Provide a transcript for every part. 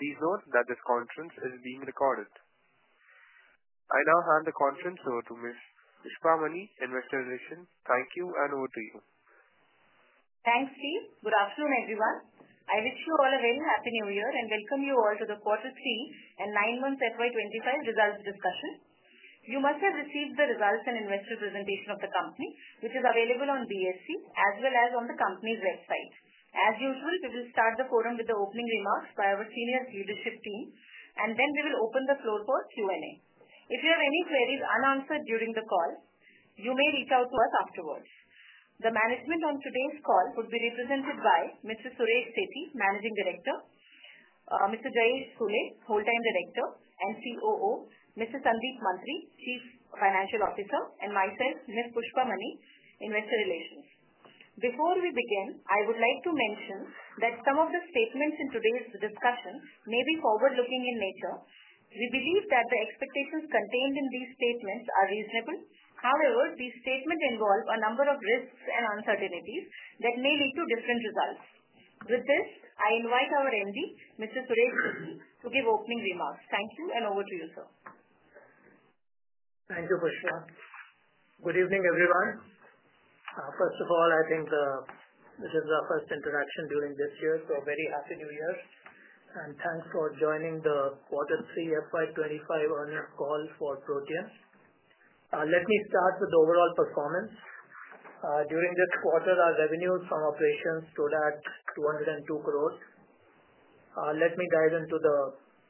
Please note that this conference is being recorded. I now hand the conference over to Ms. Pushpa Mani, Investor Relations. Thank you, and over to you. Thanks, Steve. Good afternoon, everyone. I wish you all a very happy New Year and welcome you all to the quarter three and nine months FY 2025 results discussion. You must have received the results and investor presentation of the company, which is available on BSE as well as on the company's website. As usual, we will start the forum with the opening remarks by our senior leadership team, and then we will open the floor for Q&A. If you have any queries unanswered during the call, you may reach out to us afterwards. The management on today's call would be represented by Mr. Suresh Sethi, Managing Director. Mr. Jayesh Sule, Whole Time Director and COO. Mr. Sandeep Mantri, Chief Financial Officer. And myself, Ms. Pushpa Mani, Investor Relations. Before we begin, I would like to mention that some of the statements in today's discussion may be forward-looking in nature. We believe that the expectations contained in these statements are reasonable. However, these statements involve a number of risks and uncertainties that may lead to different results. With this, I invite our MD, Mr. Suresh Sethi, to give opening remarks. Thank you and over to you, sir. Thank you, Pushpa. Good evening, everyone. First of all, I think this is our first interaction during this year, so a very happy New Year. And thanks for joining the quarter three FY 2025 earnings call for Protean. Let me start with overall performance. During this quarter, our revenues from operations stood at 202 crore. Let me dive into the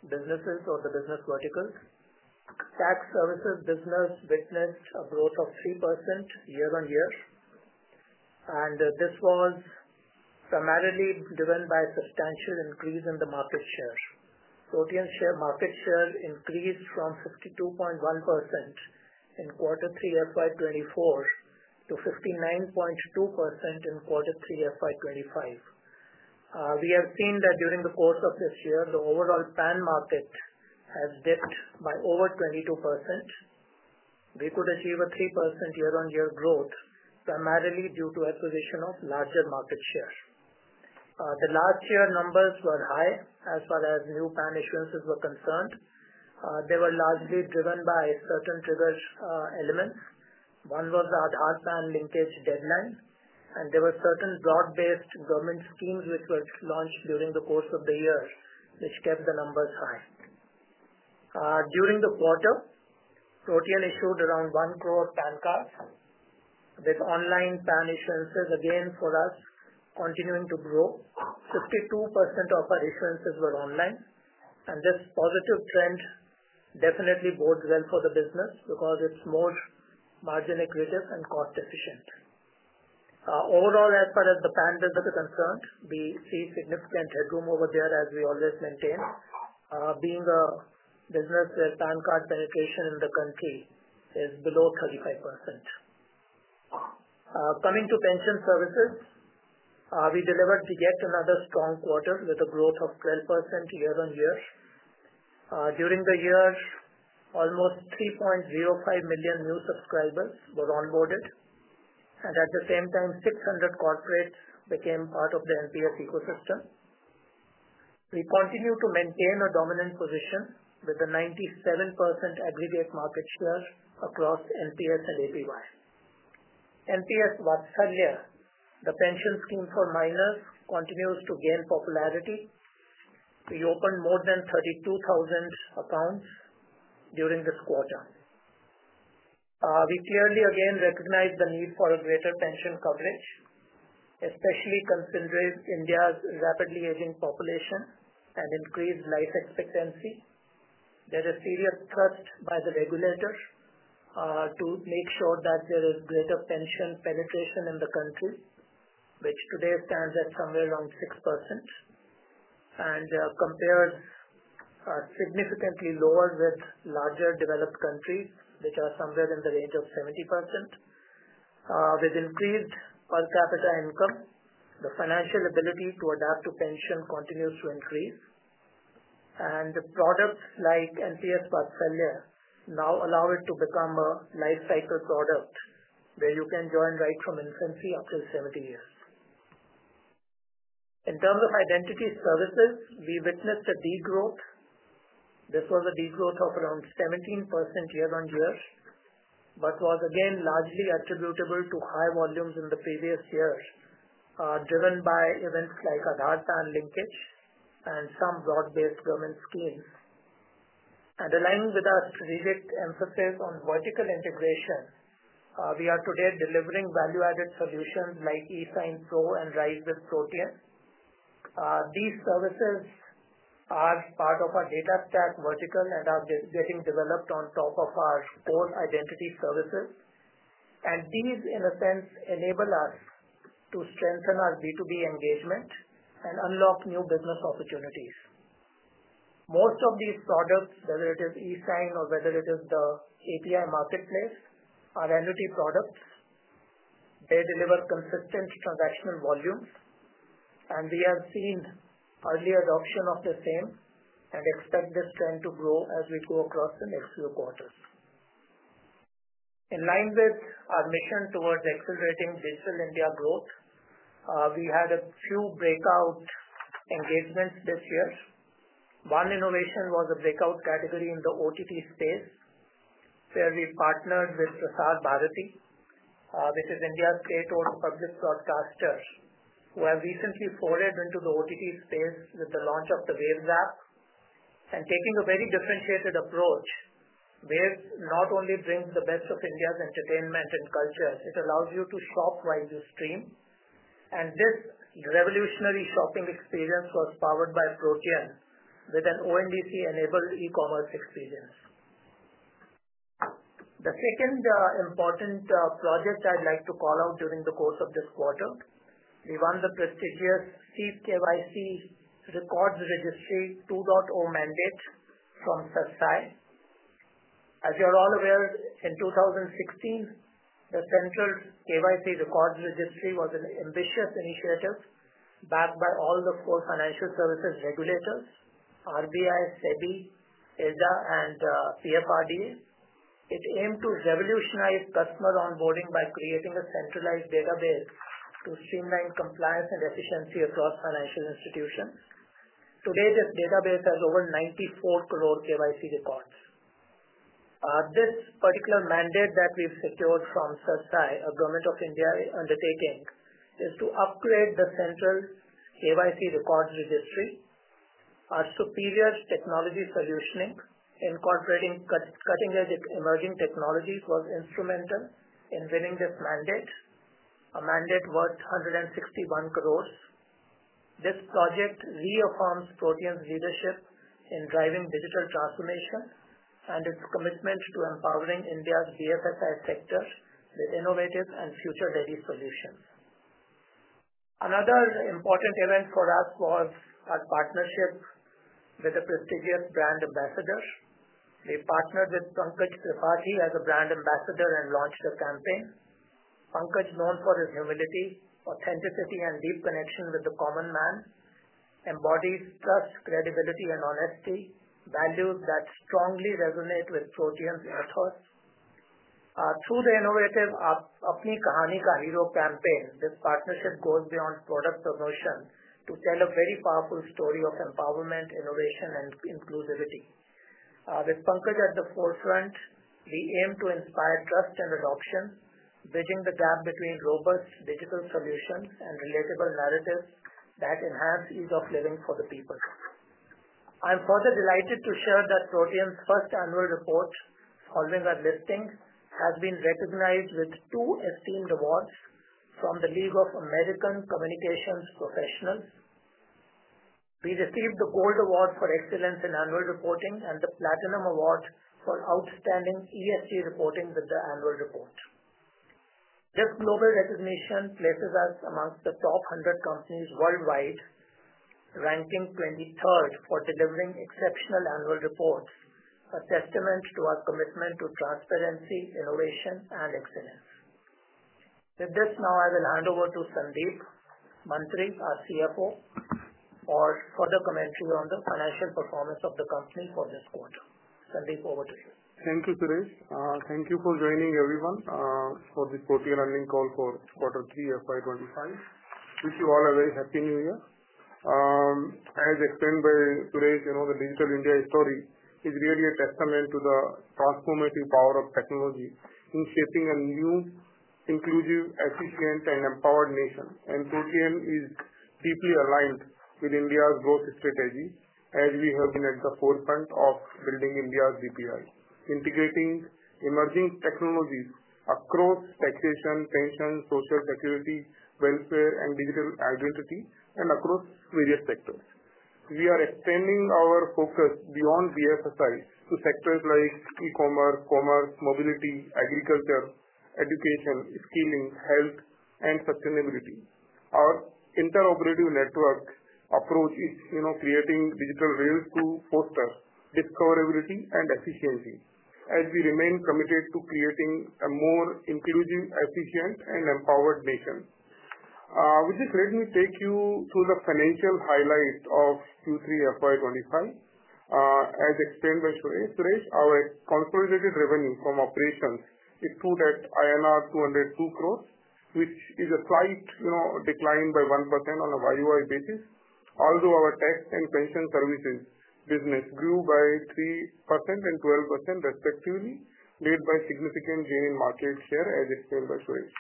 businesses or the business verticals. Tax services business witnessed a growth of 3% year-on-year, and this was primarily driven by a substantial increase in the market share. Protean's market share increased from 52.1% in quarter three FY 2024 to 59.2% in quarter three FY 2025. We have seen that during the course of this year, the overall PAN market has dipped by over 22%. We could achieve a 3% year-on-year growth primarily due to acquisition of larger market share. The last year's numbers were high as far as new PAN issuances were concerned. They were largely driven by certain trigger elements. One was the Aadhaar-PAN linkage deadline, and there were certain broad-based government schemes which were launched during the course of the year, which kept the numbers high. During the quarter, Protean issued around 1 crore PAN cards. With online PAN issuances again for us continuing to grow, 52% of our issuances were online, and this positive trend definitely bodes well for the business because it's more margin accretive and cost-efficient. Overall, as far as the PAN business is concerned, we see significant headroom over there as we always maintain, being a business where PAN card penetration in the country is below 35%. Coming to pension services, we delivered yet another strong quarter with a growth of 12% year-on-year. During the year, almost 3.05 million new subscribers were onboarded, and at the same time, 600 corporates became part of the NPS ecosystem. We continue to maintain a dominant position with a 97% aggregate market share across NPS and APY. NPS Vatsalya, the pension scheme for minors, continues to gain popularity. We opened more than 32,000 accounts during this quarter. We clearly again recognize the need for greater pension coverage, especially considering India's rapidly aging population and increased life expectancy. There is serious thrust by the regulator to make sure that there is greater pension penetration in the country, which today stands at somewhere around 6% and compares significantly lower with larger developed countries, which are somewhere in the range of 70%. With increased per capita income, the financial ability to adapt to pension continues to increase, and products like NPS Vatsalya now allow it to become a lifecycle product where you can join right from infancy up to 70 years. In terms of identity services, we witnessed a degrowth. This was a degrowth of around 17% year-on-year but was again largely attributable to high volumes in the previous year driven by events like Aadhaar-PAN linkage and some broad-based government schemes. Underlying with our strategic emphasis on vertical integration, we are today delivering value-added solutions like eSignPro and RISE with Protean. These services are part of our data stack vertical and are getting developed on top of our core identity services. And these, in a sense, enable us to strengthen our B2B engagement and unlock new business opportunities. Most of these products, whether it is eSign or whether it is the API marketplace, are entity products. They deliver consistent transactional volumes, and we have seen early adoption of the same and expect this trend to grow as we go across the next few quarters. In line with our mission towards accelerating Digital India growth, we had a few breakout engagements this year. One innovation was a breakout category in the OTT space where we partnered with Prasar Bharati, which is India's state-owned public broadcaster, who have recently forayed into the OTT space with the launch of the WAVES app. And taking a very differentiated approach, WAVES not only brings the best of India's entertainment and culture. It allows you to shop while you stream. And this revolutionary shopping experience was powered by Protean with an ONDC-enabled e-commerce experience. The second important project I'd like to call out during the course of this quarter, we won the prestigious CKYC Records Registry 2.0 mandate from CERSAI. As you're all aware, in 2016, the Central KYC Records Registry was an ambitious initiative backed by all the four financial services regulators: RBI, SEBI, IRDAI, and PFRDA. It aimed to revolutionize customer onboarding by creating a centralized database to streamline compliance and efficiency across financial institutions. Today, this database has over 94 crore KYC records. This particular mandate that we've secured from CERSAI, a Government of India undertaking, is to upgrade the Central KYC Records Registry. Our superior technology solutioning, incorporating cutting-edge emerging technologies, was instrumental in winning this mandate, a mandate worth 161 crore. This project reaffirms Protean's leadership in driving digital transformation and its commitment to empowering India's BFSI sectors with innovative and future-ready solutions. Another important event for us was our partnership with a prestigious brand ambassador. We partnered with Pankaj Tripathi as a brand ambassador and launched a campaign. Pankaj, known for his humility, authenticity, and deep connection with the common man, embodies trust, credibility, and honesty, values that strongly resonate with Protean's ethos. Through the innovative "Apni Kahani Ka Hero" campaign, this partnership goes beyond product promotion to tell a very powerful story of empowerment, innovation, and inclusivity. With Pankaj at the forefront, we aim to inspire trust and adoption, bridging the gap between robust digital solutions and relatable narratives that enhance ease of living for the people. I'm further delighted to share that Protean's first annual report, following our listing, has been recognized with two esteemed awards from the League of American Communications Professionals. We received the Gold Award for Excellence in Annual Reporting and the Platinum Award for Outstanding ESG Reporting with the annual report. This global recognition places us amongst the top 100 companies worldwide, ranking 23rd for delivering exceptional annual reports, a testament to our commitment to transparency, innovation, and excellence. With this, now I will hand over to Sandeep Mantri, our CFO, for further commentary on the financial performance of the company for this quarter. Sandeep, over to you. Thank you, Suresh. Thank you for joining, everyone, for this Protean earnings call for quarter three FY 2025. Wish you all a very happy New Year. As explained by Suresh, the Digital India story is really a testament to the transformative power of technology in shaping a new, inclusive, efficient, and empowered nation, and Protean is deeply aligned with India's growth strategy as we have been at the forefront of building India's DPI, integrating emerging technologies across taxation, pension, social security, welfare, and digital identity, and across various sectors. We are extending our focus beyond BFSI to sectors like e-commerce, commerce, mobility, agriculture, education, skilling, health, and sustainability. Our interoperable network approach is creating digital rails to foster discoverability and efficiency as we remain committed to creating a more inclusive, efficient, and empowered nation. With this, let me take you through the financial highlight of Q3 FY 2025. As explained by Suresh, our consolidated revenue from operations is put at INR 202 crore, which is a slight decline by 1% on a YoY basis. Although our tax and pension services business grew by 3% and 12% respectively, led by significant gain in market share, as explained by Suresh.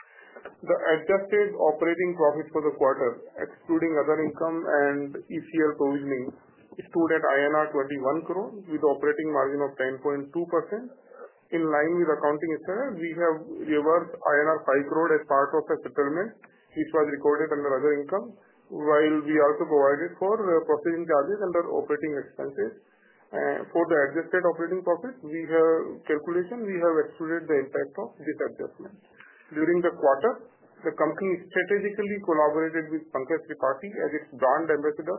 The adjusted operating profit for the quarter, excluding other income and ECL provisioning, is put at INR 21 crore, with the operating margin of 10.2%. In line with accounting estimate, we have reversed INR 5 crore as part of the settlement, which was recorded under other income, while we also provided for proceeding charges under operating expenses. For the adjusted operating profit, in our calculation, we have excluded the impact of this adjustment. During the quarter, the company strategically collaborated with Pankaj Tripathi as its brand ambassador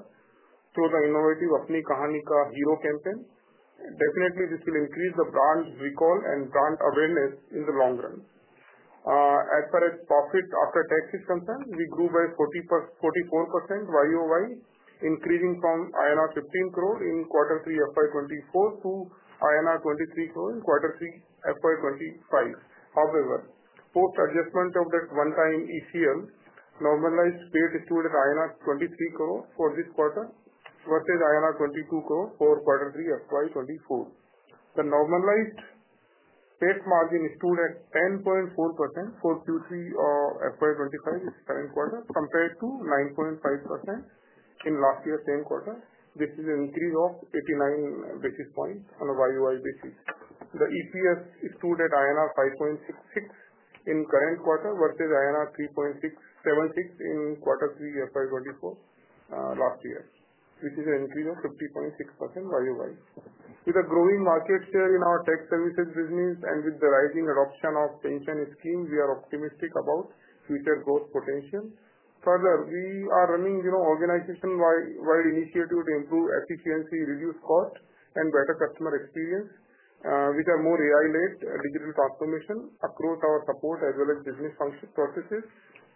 through the innovative "Apni Kahani Ka Hero" campaign. Definitely, this will increase the brand recall and brand awareness in the long run. As far as profit after tax is concerned, we grew by 44% YoY, increasing from INR 15 crore in quarter three FY 2024 to INR 23 crore in quarter three FY 2025. However, post-adjustment of that one-time ECL, normalized PAT stood at INR 23 crore for this quarter versus INR 22 crore for quarter three FY 2024. The normalized PAT margin stood at 10.4% for Q3 FY 2025, current quarter, compared to 9.5% in last year's same quarter. This is an increase of 89 basis points on a YoY basis. The EPS stood at INR 5.66 in current quarter versus INR 3.76 in Q3 FY 2024 last year, which is an increase of 50.6% YoY. With a growing market share in our tech services business and with the rising adoption of pension schemes, we are optimistic about future growth potential. Further, we are running organization-wide initiatives to improve efficiency, reduce cost, and better customer experience, which are more AI-led digital transformation across our support as well as business processes.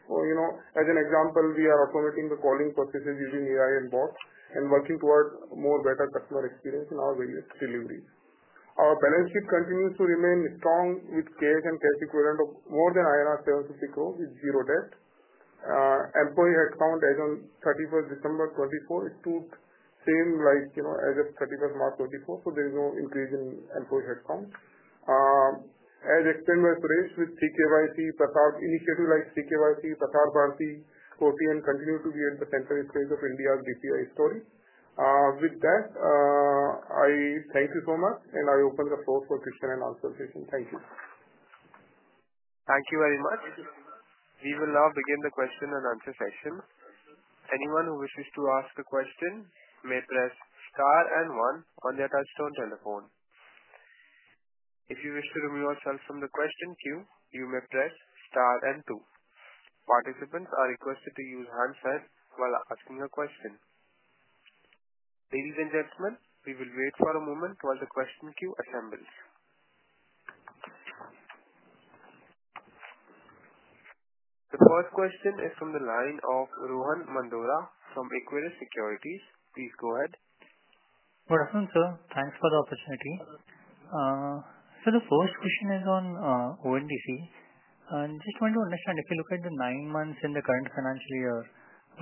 As an example, we are automating the calling processes using AI and bots and working towards a more better customer experience in our various deliveries. Our balance sheet continues to remain strong with cash and cash equivalent of more than INR 750 crore with zero debt. Employee headcount, as of 31st December 2024, is the same as of 31st March 2024, so there is no increase in employee headcount. As explained by Suresh, with CKYC, Prasar initiatives like CKYC, Prasar Bharati, Protean continue to be at the center stage of India's DPI story. With that, I thank you so much, and I open the floor for question-and-answer session. Thank you. Thank you very much. We will now begin the question-and-answer session. Anyone who wishes to ask a question may press star and one on their touch-tone telephone. If you wish to remove yourself from the question queue, you may press star and two. Participants are requested to use the handset while asking a question. Ladies and gentlemen, we will wait for a moment while the question queue assembles. The first question is from the line of Rohan Mandora from Equirus Securities. Please go ahead. Good afternoon, sir. Thanks for the opportunity. So the first question is on ONDC. I just want to understand, if you look at the nine months in the current financial year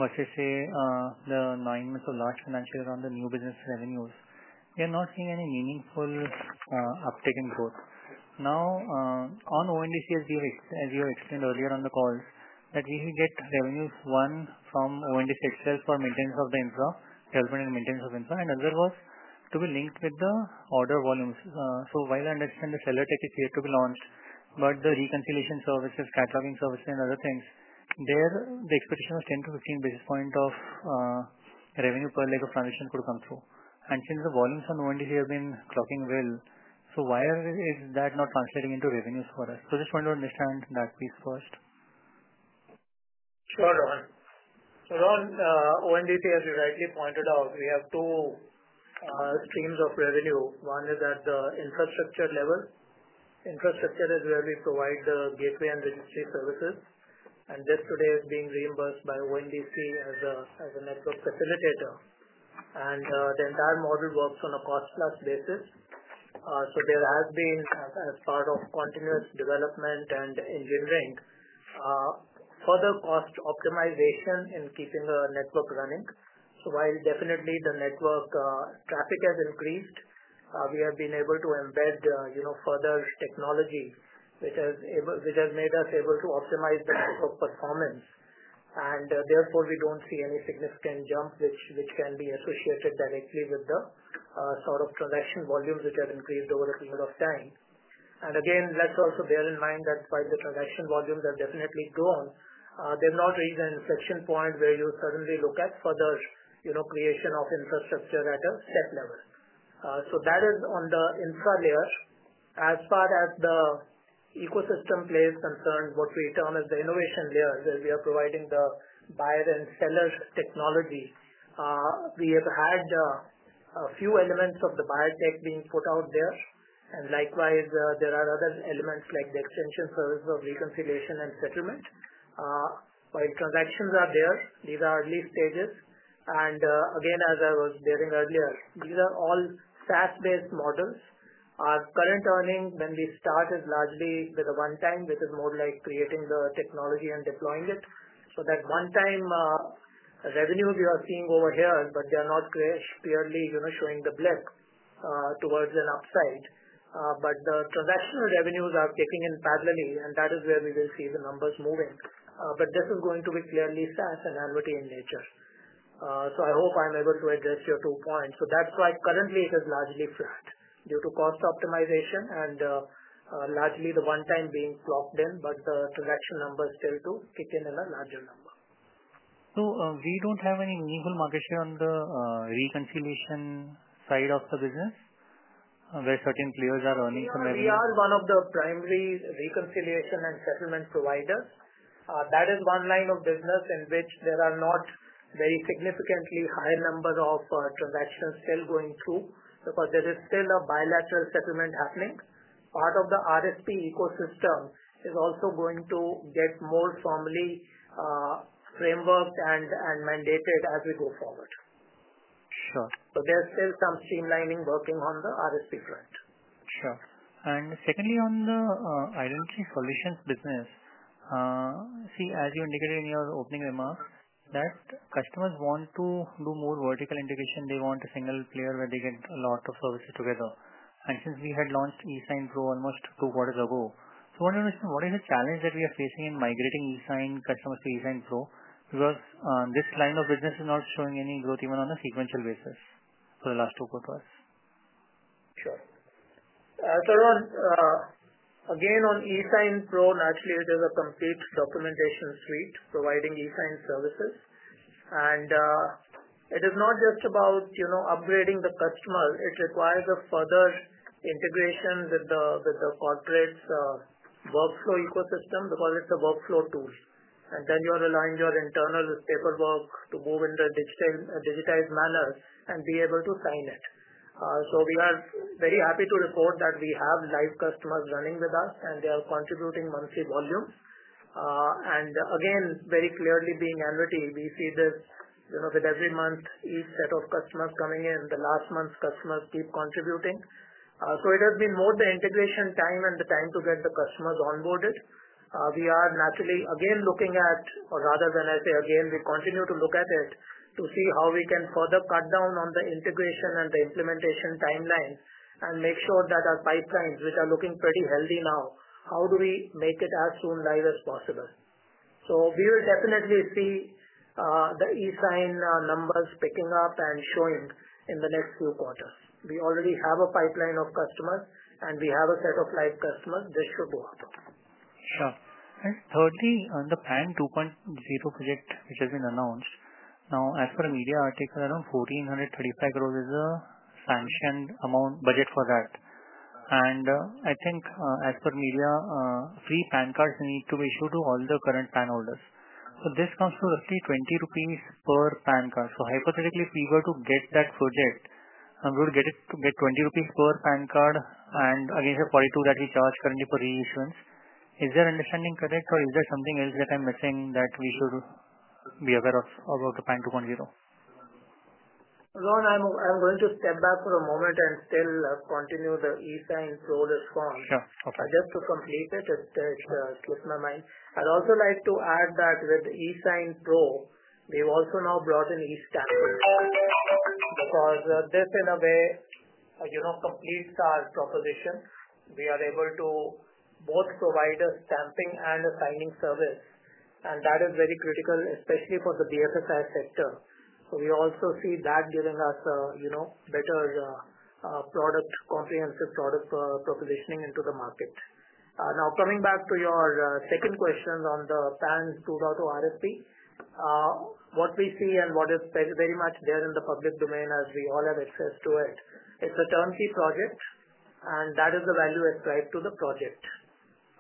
versus the nine months of last financial year on the new business revenues, we are not seeing any meaningful uptake in growth. Now, on ONDC, as we have explained earlier on the call, that we get revenues, one, from ONDC itself for maintenance of the infra, development and maintenance of infra, and otherwise to be linked with the order volumes. So while I understand the seller tech is here to be launched, but the reconciliation services, cataloging services, and other things, there the expectation was 10-15 basis point of revenue per leg of transaction could come through. And since the volumes on ONDC have been clocking well, so why is that not translating into revenues for us? I just want to understand that piece first. Sure, Rohan. So Rohan, ONDC, as you rightly pointed out, we have two streams of revenue. One is at the infrastructure level. Infrastructure is where we provide the gateway and registry services. And this today is being reimbursed by ONDC as a network facilitator. And the entire model works on a cost-plus basis. So there has been, as part of continuous development and engineering, further cost optimization in keeping the network running. So while definitely the network traffic has increased, we have been able to embed further technology, which has made us able to optimize the network performance. And therefore, we don't see any significant jump which can be associated directly with the sort of transaction volumes which have increased over a period of time. Again, let's also bear in mind that while the transaction volumes have definitely grown, they've not reached an inflection point where you suddenly look at further creation of infrastructure at a set level. That is on the infra layer. As far as the ecosystem players are concerned, what we term as the innovation layer, where we are providing the buyer and seller technology, we have had a few elements of the beta being put out there. And likewise, there are other elements like the extension service of reconciliation and settlement. While transactions are there, these are early stages. Again, as I was saying earlier, these are all SaaS-based models. Our current earning, when we start, is largely with a one-time, which is more like creating the technology and deploying it. So that one-time revenue we are seeing over here, but they are not purely showing the blip towards an upside. But the transactional revenues are kicking in parallelly, and that is where we will see the numbers moving. But this is going to be clearly SaaS and annuity in nature. So I hope I'm able to address your two points. So that's why currently it is largely flat due to cost optimization and largely the one-time being clocked in, but the transaction numbers still do kick in in a larger number. So we don't have any meaningful market share on the reconciliation side of the business where certain players are earning some revenue? We are one of the primary reconciliation and settlement providers. That is one line of business in which there are not very significantly higher numbers of transactions still going through because there is still a bilateral settlement happening. Part of the RFP ecosystem is also going to get more formally frame worked and mandated as we go forward. Sure. So there's still some streamlining working on the RFP front. Sure. And secondly, on the identity solutions business, see, as you indicated in your opening remarks, that customers want to do more vertical integration. They want a single player where they get a lot of services together. And since we had launched eSignPro almost two quarters ago, so I want to understand what is the challenge that we are facing in migrating eSign customers to eSignPro because this line of business is not showing any growth even on a sequential basis for the last two quarters. Sure. So Rohan, again, on eSignPro, naturally, it is a complete documentation suite providing eSign services. And it is not just about upgrading the customer. It requires a further integration with the corporate workflow ecosystem because it's a workflow tool. And then you are aligned your internal paperwork to move in the digitized manner and be able to sign it. So we are very happy to report that we have live customers running with us, and they are contributing monthly volumes. And again, very clearly being annuity, we see this with every month, each set of customers coming in. The last month's customers keep contributing. So it has been more the integration time and the time to get the customers onboarded. We are naturally, again, looking at, or rather when I say again, we continue to look at it to see how we can further cut down on the integration and the implementation timeline and make sure that our pipelines, which are looking pretty healthy now. How do we make it as soon live as possible. So we will definitely see the eSign numbers picking up and showing in the next few quarters. We already have a pipeline of customers, and we have a set of live customers. This should go up. Sure. And thirdly, on the PAN 2.0 project, which has been announced, now, as per media article, around 1,435 crore is a sanctioned amount budget for that. And I think, as per media, free PAN cards need to be issued to all the current PAN holders. So this comes to roughly 20 rupees per PAN card. So hypothetically, if we were to get that project, we would get it to get 20 rupees per PAN card and, again, say, 42 that we charge currently for reissuance. Is that understanding correct, or is there something else that I'm missing that we should be aware of about the PAN 2.0? Rohan, I'm going to step back for a moment and still continue the eSignPro response. Sure. Okay. Just to complete it, it slipped my mind. I'd also like to add that with eSignPro, we've also now brought in eStamping because this, in a way, a complete SaaS proposition. We are able to both provide a stamping and a signing service, and that is very critical, especially for the BFSI sector, so we also see that giving us better comprehensive product propositioning into the market. Now, coming back to your second question on the PAN 2.0 RFP, what we see and what is very much there in the public domain as we all have access to it, it's a turnkey project, and that is the value ascribed to the project.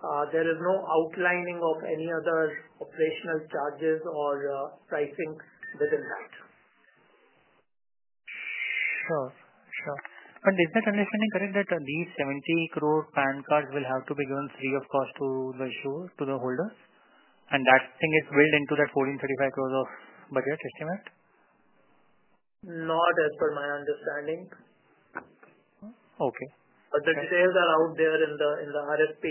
There is no outlining of any other operational charges or pricing within that. Sure. Sure. But is that understanding correct that these 70 crore PAN cards will have to be given free of cost to the holders? And that thing is built into that 1,435 crore of budget estimate? Not as per my understanding. Okay. But the details are out there in the RFP.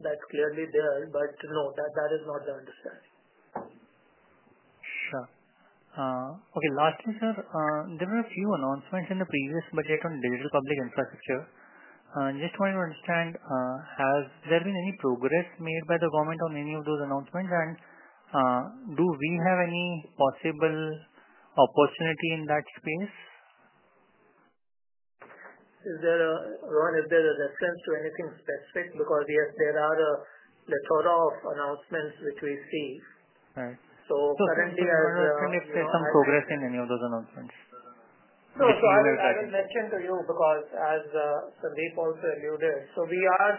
That's clearly there. But no, that is not the understanding. Sure. Okay. Lastly, sir, there were a few announcements in the previous budget on digital public infrastructure. Just wanted to understand, has there been any progress made by the government on any of those announcements? And do we have any possible opportunity in that space? Is there, Rohan, is there a reference to anything specific? Because yes, there are a plethora of announcements which we see. Right. Currently, as. Can you explain if there's some progress in any of those announcements? No, so I will mention to you because, as Sandeep also alluded, so we are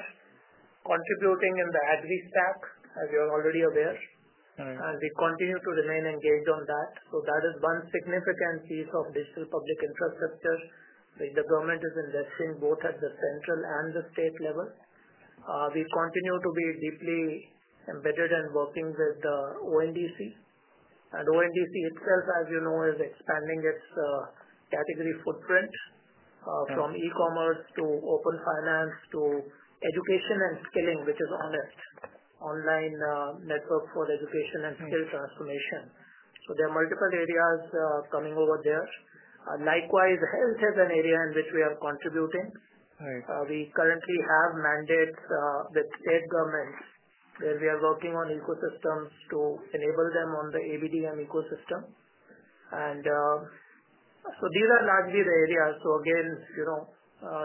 contributing in the Agri Stack, as you're already aware, and we continue to remain engaged on that. That is one significant piece of digital public infrastructure which the government is investing both at the central and the state level. We continue to be deeply embedded and working with ONDC, and ONDC itself, as you know, is expanding its category footprint from e-commerce to open finance to education and skilling, which is ONEST, online network for education and skill transformation. There are multiple areas coming over there. Likewise, health is an area in which we are contributing. We currently have mandates with state governments where we are working on ecosystems to enable them on the ABDM ecosystem, and so these are largely the areas. Again,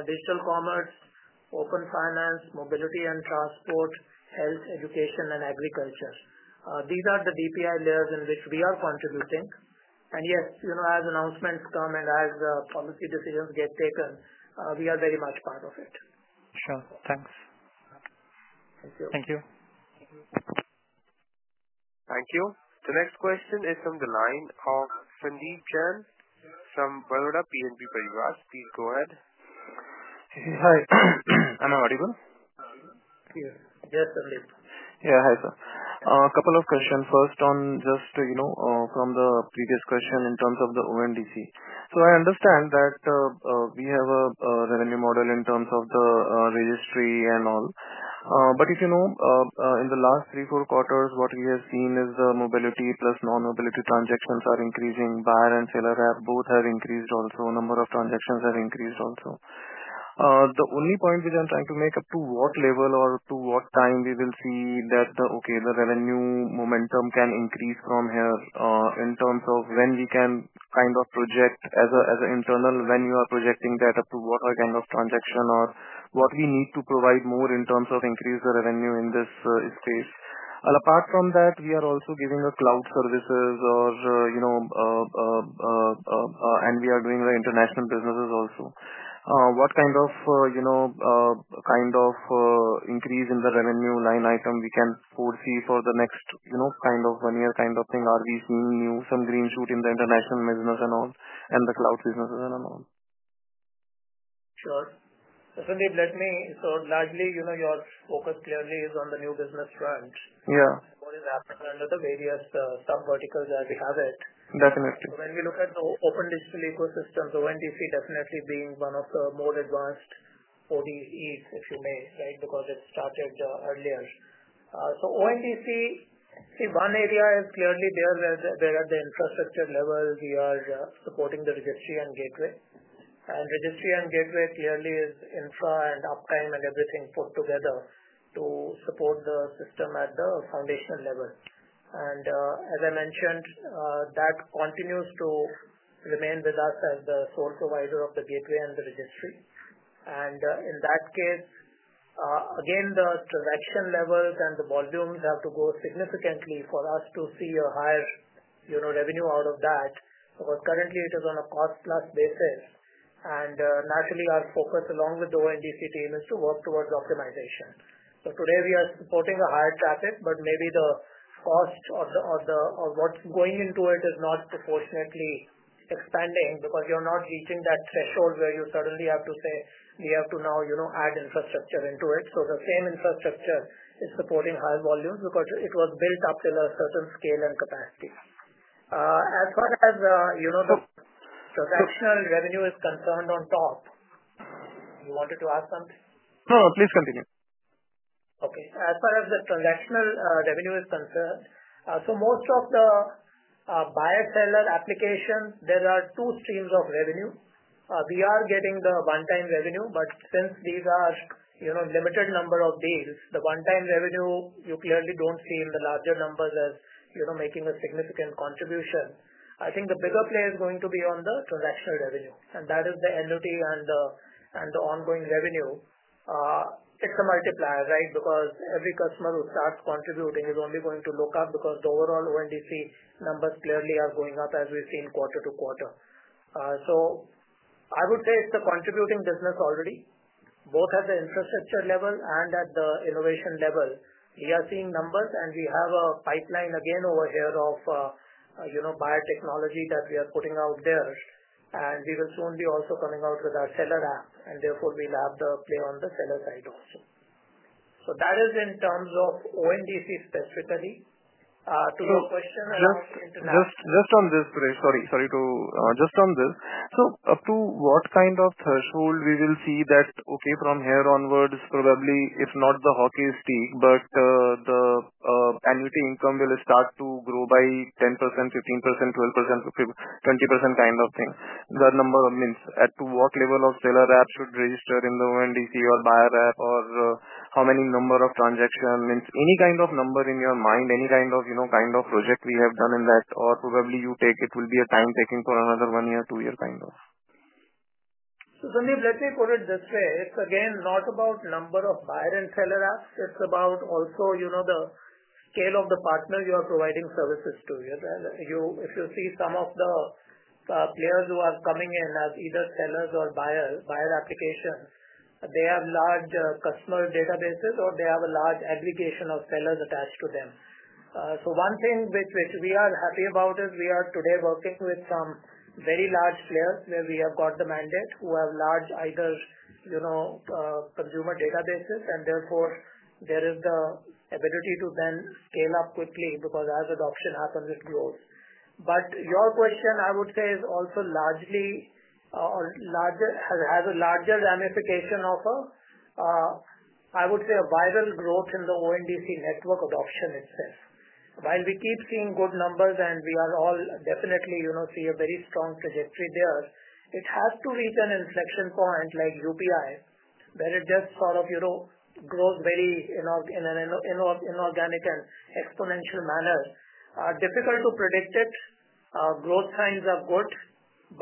digital commerce, open finance, mobility and transport, health, education, and agriculture. These are the DPI layers in which we are contributing. Yes, as announcements come and as policy decisions get taken, we are very much part of it. Sure. Thanks. Thank you. Thank you. Thank you. The next question is from the line of Sandeep Jain from Baroda BNP Paribas. Please go ahead. Hi. I'm available? Yes, Sandeep. Yeah. Hi, sir. A couple of questions. First, just from the previous question in terms of the ONDC. So I understand that we have a revenue model in terms of the registry and all. But if you know, in the last three, four quarters, what we have seen is the mobility plus non-mobility transactions are increasing. Buyer and seller have both increased also. Number of transactions have increased also. The only point which I'm trying to make is up to what level or up to what time we will see that, okay, the revenue momentum can increase from here in terms of when we can kind of project as an internal when you are projecting that up to what kind of transaction or what we need to provide more in terms of increasing the revenue in this space. Apart from that, we are also giving cloud services or, and we are doing the international businesses also. What kind of increase in the revenue line item can we foresee for the next kind of one-year kind of thing? Are we seeing some green shoot in the international business and all and the cloud businesses and all? Sure. So, Sandeep, let me say largely your focus clearly is on the new business front. Yeah. What is happening under the various subverticals as we have it? Definitely. When we look at the open digital ecosystem, ONDC definitely being one of the more advanced ODEs, if you may, right, because it started earlier. ONDC, see, one area is clearly there where at the infrastructure level, we are supporting the registry and gateway. And registry and gateway clearly is infra and uptime and everything put together to support the system at the foundational level. And as I mentioned, that continues to remain with us as the sole provider of the gateway and the registry. And in that case, again, the transaction levels and the volumes have to go significantly for us to see a higher revenue out of that because currently it is on a cost-plus basis. And naturally, our focus, along with the ONDC team, is to work towards optimization. So today, we are supporting a higher traffic, but maybe the cost or what's going into it is not proportionately expanding because you're not reaching that threshold where you suddenly have to say, "We have to now add infrastructure into it." So the same infrastructure is supporting higher volumes because it was built up to a certain scale and capacity. As far as the transactional revenue is concerned on top, you wanted to ask something? No, no. Please continue. Okay. As far as the transactional revenue is concerned, so most of the buyer-seller applications, there are two streams of revenue. We are getting the one-time revenue, but since these are limited number of deals, the one-time revenue, you clearly don't see in the larger numbers as making a significant contribution. I think the bigger player is going to be on the transactional revenue. And that is the annuity and the ongoing revenue. It's a multiplier, right, because every customer who starts contributing is only going to look up because the overall ONDC numbers clearly are going up as we've seen quarter to quarter. So I would say it's a contributing business already, both at the infrastructure level and at the innovation level. We are seeing numbers, and we have a pipeline again over here of buyer technology that we are putting out there. And we will soon be also coming out with our seller app, and therefore, we'll have the play on the seller side also. So that is in terms of ONDC specifically. To your question around international. Just on this, sorry. So up to what kind of threshold we will see that, okay, from here onwards, probably, if not the hockey stick, but the annuity income will start to grow by 10%, 15%, 12%, 20% kind of thing. The number means at what level of seller app should register in the ONDC or buyer app or how many number of transaction means any kind of number in your mind, any kind of project we have done in that, or probably you think it will be time taking for another one year, two year kind of. So Sandeep, let me put it this way. It's again not about number of buyer and seller apps. It's about also the scale of the partner you are providing services to. If you see some of the players who are coming in as either sellers or buyer applications, they have large customer databases or they have a large aggregation of sellers attached to them. So one thing which we are happy about is we are today working with some very large players where we have got the mandate who have large either consumer databases, and therefore, there is the ability to then scale up quickly because as adoption happens, it grows. But your question, I would say, is also largely or has a larger ramification of, I would say, a viral growth in the ONDC network adoption itself. While we keep seeing good numbers and we are all definitely see a very strong trajectory there, it has to reach an inflection point like UPI where it just sort of grows very in an inorganic and exponential manner. Difficult to predict it. Growth signs are good,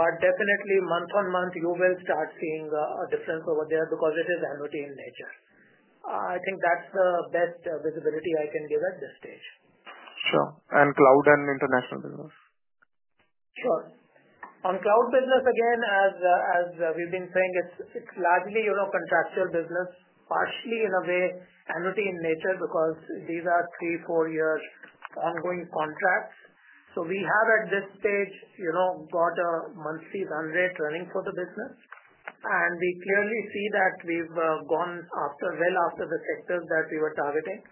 but definitely month on month, you will start seeing a difference over there because it is annuity in nature. I think that's the best visibility I can give at this stage. Sure. And cloud and international business? Sure. On cloud business, again, as we've been saying, it's largely contractual business, partially in a way annuity in nature because these are three, four-year ongoing contracts. So we have at this stage got a monthly run rate running for the business. And we clearly see that we've gone well after the sectors that we were targeting,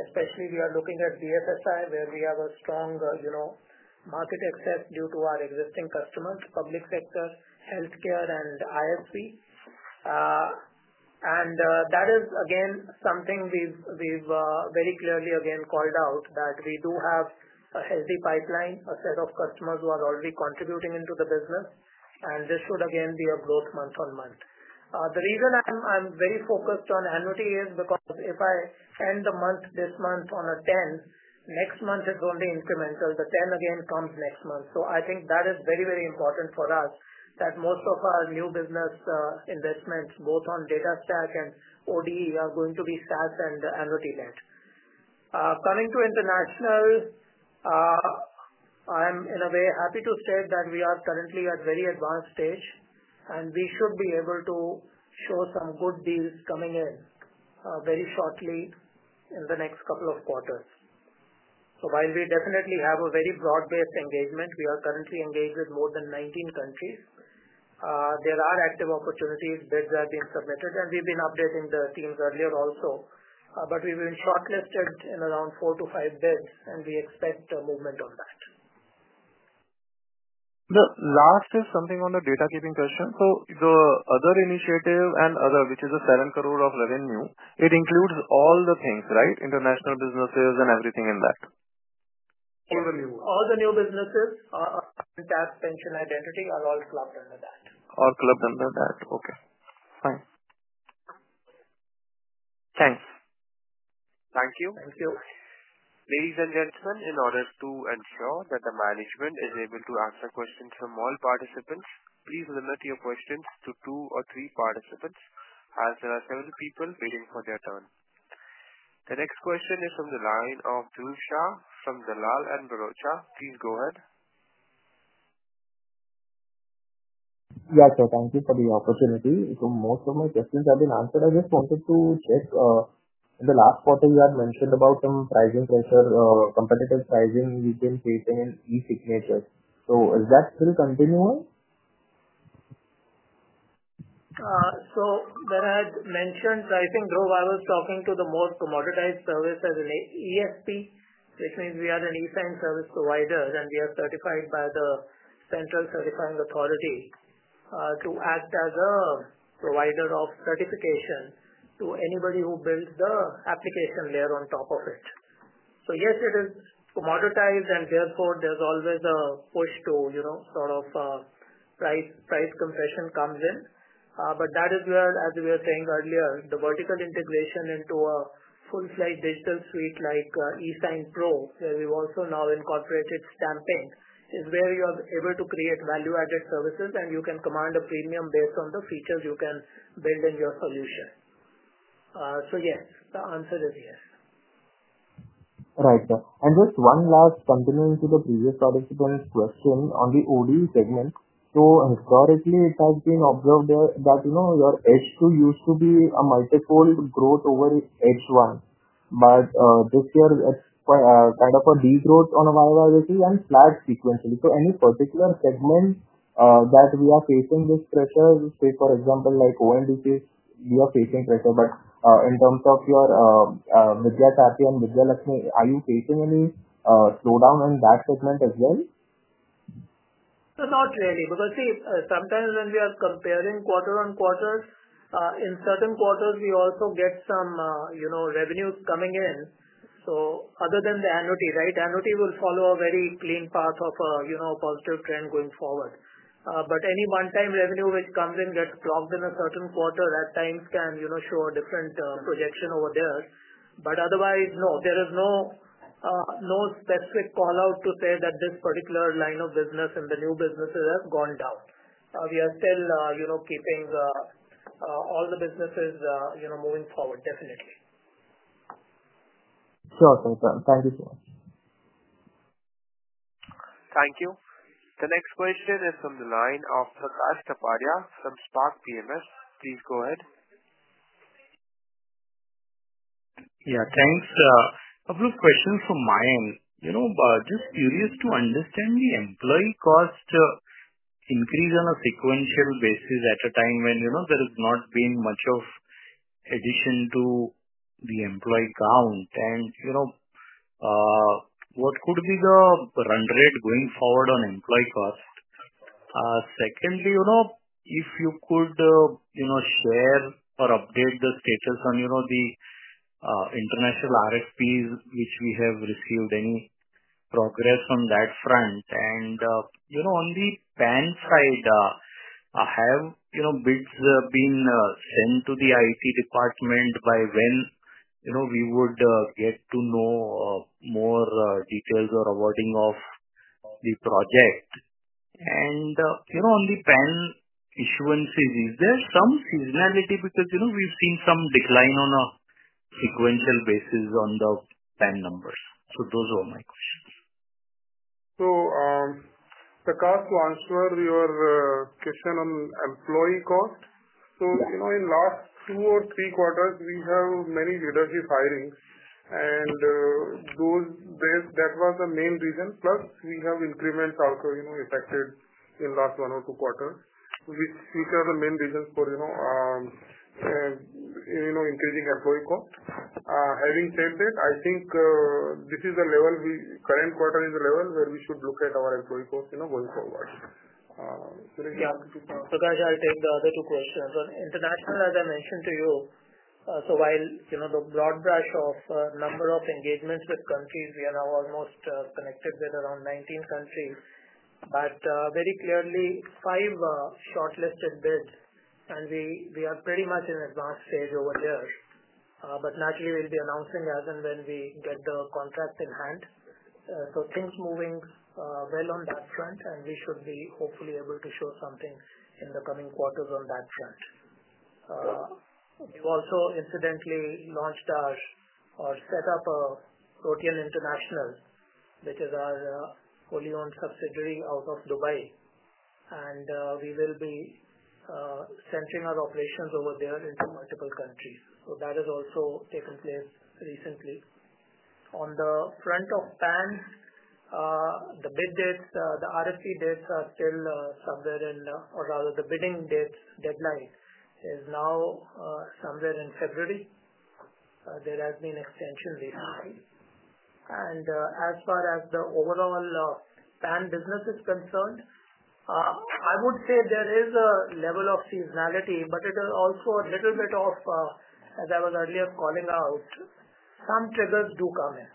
especially we are looking at BFSI where we have a strong market access due to our existing customers, public sector, healthcare, and ISV. And that is, again, something we've very clearly again called out that we do have a healthy pipeline, a set of customers who are already contributing into the business. And this should again be a growth month on month. The reason I'm very focused on annuity is because if I end the month this month on a 10, next month it's only incremental. The 10 again comes next month. So I think that is very, very important for us that most of our new business investments, both on data stack and ODE, are going to be SaaS and annuity-led. Coming to international, I'm in a way happy to state that we are currently at a very advanced stage, and we should be able to show some good deals coming in very shortly in the next couple of quarters. So while we definitely have a very broad-based engagement, we are currently engaged with more than 19 countries. There are active opportunities. Bids have been submitted, and we've been updating the teams earlier also. But we've been shortlisted in around four to five bids, and we expect movement on that. The last is something on the data stack question. So the other initiative and other, which is the 7 crore of revenue, it includes all the things, right? International businesses and everything in that. Yes. All the new businesses, tax, pension, identity are all clubbed under that. All clubbed under that. Okay. Fine. Thanks. Thank you. Thank you. Ladies and gentlemen, in order to ensure that the management is able to answer questions from all participants, please limit your questions to two or three participants as there are several people waiting for their turn. The next question is from the line of Dhruv Shah from Dalal & Broacha. Please go ahead. Yes, sir. Thank you for the opportunity. So most of my questions have been answered. I just wanted to check the last quarter, you had mentioned about some pricing pressure, competitive pricing we've been facing in e-signatures. So is that still continuing? So when I had mentioned, I think, Dhruv, I was talking to the more commoditized service as an ESP, which means we are an eSign service provider, and we are certified by the central certifying authority to act as a provider of certification to anybody who builds the application layer on top of it. So yes, it is commoditized, and therefore, there's always a push to sort of price compression comes in. But that is where, as we were saying earlier, the vertical integration into a full-fledged digital suite like eSignPro, where we've also now incorporated stamping, is where you are able to create value-added services, and you can command a premium based on the features you can build in your solution. So yes, the answer is yes. All right. And just one last, continuing to the previous participant's question on the ODE segment. So historically, it has been observed that your H2 used to be a multi-fold growth over H1. But this year, it's kind of a degrowth on a YoY basis and flat sequentially. So any particular segment that we are facing this pressure, say, for example, like ONDC, we are facing pressure. But in terms of your Vidyasaarathi and VidyaLakshmi, are you facing any slowdown in that segment as well? So not really because, see, sometimes when we are comparing quarter on quarter, in certain quarters, we also get some revenues coming in. So other than the annuity, right, annuity will follow a very clean path of a positive trend going forward. But any one-time revenue which comes in, gets blocked in a certain quarter, at times can show a different projection over there. But otherwise, no, there is no specific callout to say that this particular line of business and the new businesses have gone down. We are still keeping all the businesses moving forward, definitely. Sure. Thank you. Thank you so much. Thank you. The next question is from the line of Prakash Kapadia from Spark PMS. Please go ahead. Yeah. Thanks. A few questions from my end. Just curious to understand the employee cost increase on a sequential basis at a time when there has not been much of addition to the employee count. And what could be the run rate going forward on employee cost? Secondly, if you could share or update the status on the international RFPs, which we have received any progress on that front. And on the PAN side, have bids been sent to the IT department by when we would get to know more details or awarding of the project? And on the PAN issuances, is there some seasonality because we've seen some decline on a sequential basis on the PAN numbers? So those were my questions. Prakash, to answer your question on employee cost, in the last two or three quarters, we have many leadership hirings. That was the main reason. We have increments also affected in the last one or two quarters, which are the main reasons for increasing employee cost. Having said that, I think this is the level. Current quarter is the level where we should look at our employee cost going forward. Yeah. Prakash, I'll take the other two questions. On international, as I mentioned to you, so while the broad brush of number of engagements with countries, we are now almost connected with around 19 countries, but very clearly, five shortlisted bids, and we are pretty much in advanced stage over there, but naturally, we'll be announcing as and when we get the contract in hand. So things moving well on that front, and we should be hopefully able to show something in the coming quarters on that front. We've also incidentally launched our or set up a Protean International, which is our wholly-owned subsidiary out of Dubai. And we will be centering our operations over there into multiple countries. So that has also taken place recently. On the front of PAN, the bid dates, the RFP dates are still somewhere in or rather the bidding dates deadline is now somewhere in February. There has been extension recently, and as far as the overall PAN business is concerned, I would say there is a level of seasonality, but it is also a little bit of, as I was earlier calling out, some triggers do come in.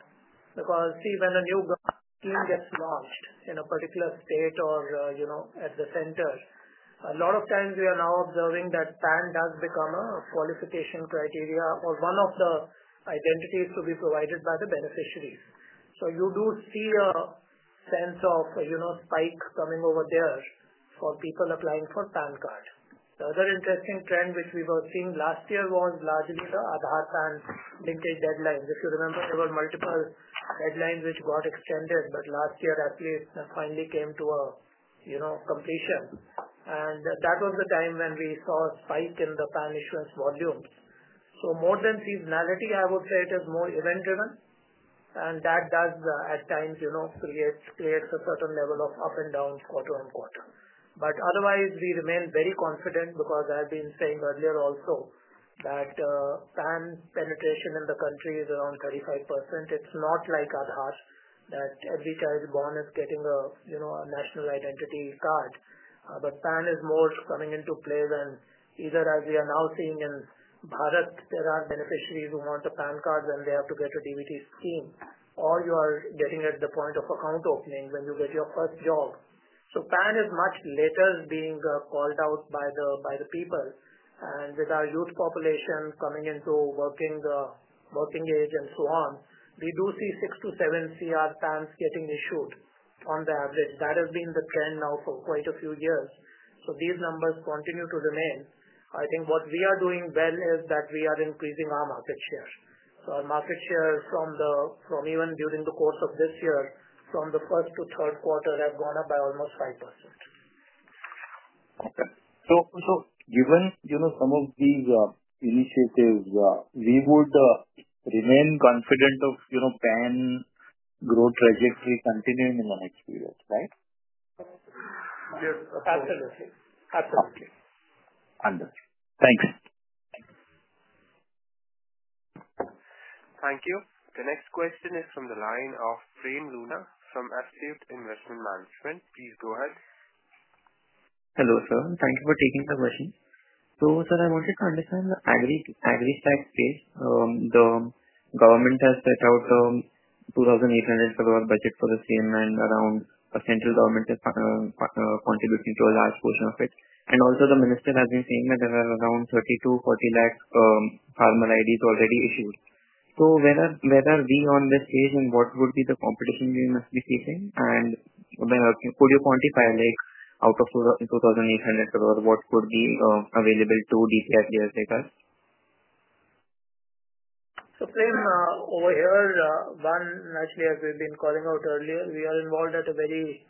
Because see, when a new government scheme gets launched in a particular state or at the center, a lot of times we are now observing that PAN does become a qualification criteria or one of the identities to be provided by the beneficiaries. So you do see a sense of spike coming over there for people applying for PAN card. The other interesting trend which we were seeing last year was largely the Aadhaar-PAN linkage deadlines. If you remember, there were multiple deadlines which got extended, but last year at least finally came to a completion, and that was the time when we saw a spike in the PAN issuance volumes. So more than seasonality, I would say it is more event-driven, and that does at times create a certain level of up and down quarter-on-quarter. But otherwise, we remain very confident because I've been saying earlier also that PAN penetration in the country is around 35%. It's not like Aadhaar that every child born is getting a national identity card, but PAN is more coming into play than either as we are now seeing in Bharat, there are beneficiaries who want a PAN card when they have to get a DBT scheme, or you are getting at the point of account opening when you get your first job. So, PAN is much later being called out by the people. And with our youth population coming into working age and so on, we do see 6 crore-7 crore PANs getting issued on the average. That has been the trend now for quite a few years. So these numbers continue to remain. I think what we are doing well is that we are increasing our market share. So our market share from even during the course of this year, from the first to third quarter, have gone up by almost 5%. Okay, so given some of these initiatives, we would remain confident of PAN growth trajectory continuing in the next few years, right? Yes. Absolutely. Absolutely. Understood. Thanks. Thank you. The next question is from the line of Prem Luniya from Astute Investment Management. Please go ahead. Hello, sir. Thank you for taking the question. So, sir, I wanted to understand the Agri Stack phase. The government has set out 2,800 crore budget for the scheme, and the central government is contributing to a large portion of it. And also, the minister has been saying that there are around 30 lakh-40 lakh farmer IDs already issued. So where are we on this stage, and what would be the competition we must be facing? And could you quantify out of 2,800 crore, what would be available to DPI players like us? So Prem, over here, one, naturally, as we've been calling out earlier, we are involved at a very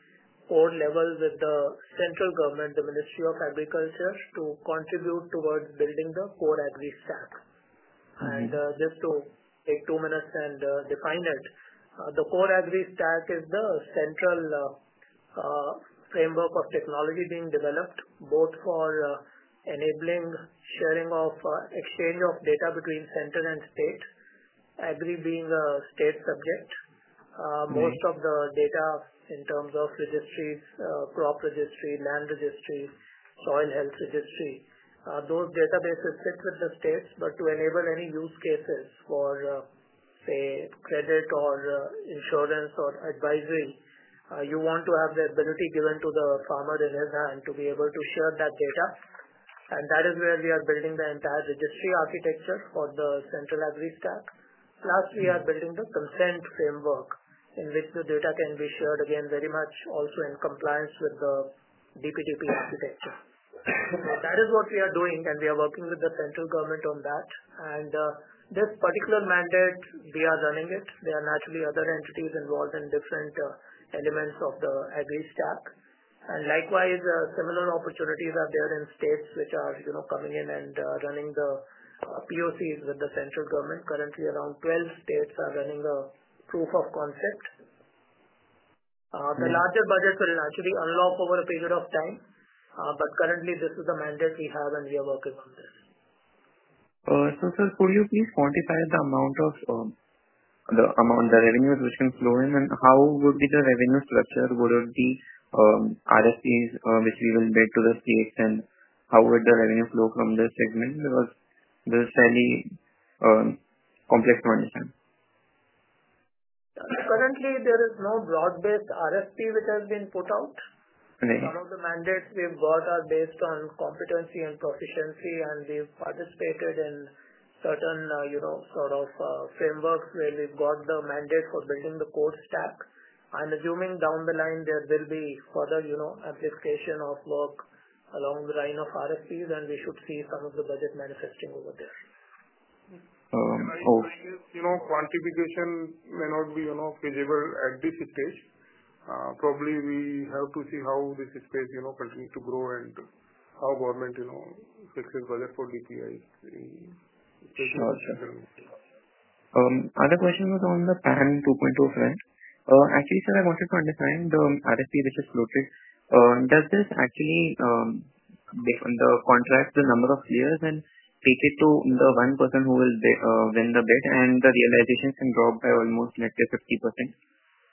core level with the central government, the Ministry of Agriculture, to contribute towards building the core Agri Stack. Just to take two minutes and define it, the core Agri Stack is the central framework of technology being developed both for enabling sharing of exchange of data between center and state, agri being a state subject. Most of the data in terms of registries, crop registry, land registry, soil health registry, those databases sit with the states. But to enable any use cases for, say, credit or insurance or advisory, you want to have the ability given to the farmer in his hand to be able to share that data. That is where we are building the entire registry architecture for the central Agri Stack. Plus, we are building the consent framework in which the data can be shared again very much also in compliance with the DPDP architecture. So that is what we are doing, and we are working with the central government on that. And this particular mandate, we are running it. There are naturally other entities involved in different elements of the Agri Stack. And likewise, similar opportunities are there in states which are coming in and running the POCs with the central government. Currently, around 12 states are running a proof of concept. The larger budgets will naturally unlock over a period of time. But currently, this is the mandate we have, and we are working on this. So, sir, could you please quantify the amount of the revenues which can flow in? And how would be the revenue structure? Would it be RFPs which we will bid to the states, and how would the revenue flow from this segment? Because this is fairly complex to understand. Currently, there is no broad-based RFP which has been put out. A lot of the mandates we've got are based on competency and proficiency, and we've participated in certain sort of frameworks where we've got the mandate for building the core stack. I'm assuming down the line there will be further amplification of work along the line of RFPs, and we should see some of the budget manifesting over there. Quantification may not be feasible at this stage. Probably we have to see how this space continues to grow and how government fixes budget for DPIs. Sure. Sure. Other question was on the PAN 2.0 trend. Actually, sir, I wanted to understand the RFP which is floated. Does this actually the contract, the number of layers, then take it to the one person who will win the bid, and the realization can drop by almost, let's say, 50%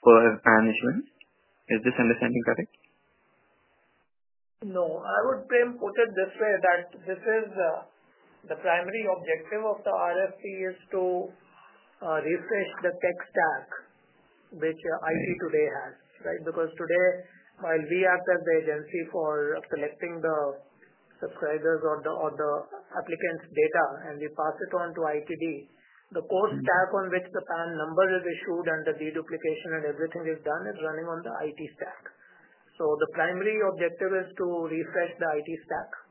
per PAN issuance? Is this understanding correct? No. I would Prem put it this way that this is the primary objective of the RFP is to refresh the tech stack which IT today has, right? Because today, while we act as the agency for selecting the subscribers or the applicants' data, and we pass it on to ITD, the core stack on which the PAN number is issued and the deduplication and everything is done is running on the IT stack. So the primary objective is to refresh the IT stack.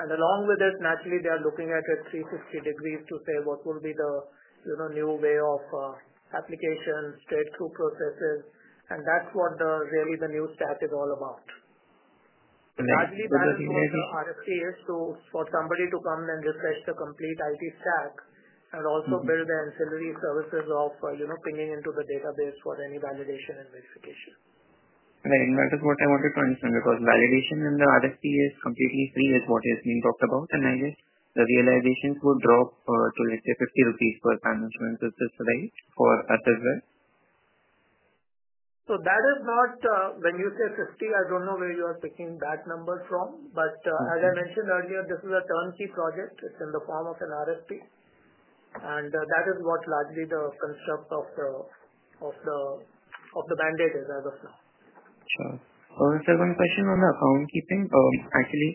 And along with this, naturally, they are looking at it 360 degrees to say what will be the new way of application, straight-through processes. And that's what really the new stack is all about. Naturally, the reason for the RFP is for somebody to come and refresh the complete IT stack and also build the ancillary services of pinging into the database for any validation and verification. Right. That is what I wanted to understand. Because validation in the RFP is completely free is what has been talked about. I guess the realizations would drop to, let's say, 50 rupees per PAN issuance. Is this right for us as well? So that is not when you say 50. I don't know where you are picking that number from. But as I mentioned earlier, this is a turnkey project. It's in the form of an RFP. And that is what largely the construct of the mandate is as of now. Sure. So just one question on the account keeping. Actually,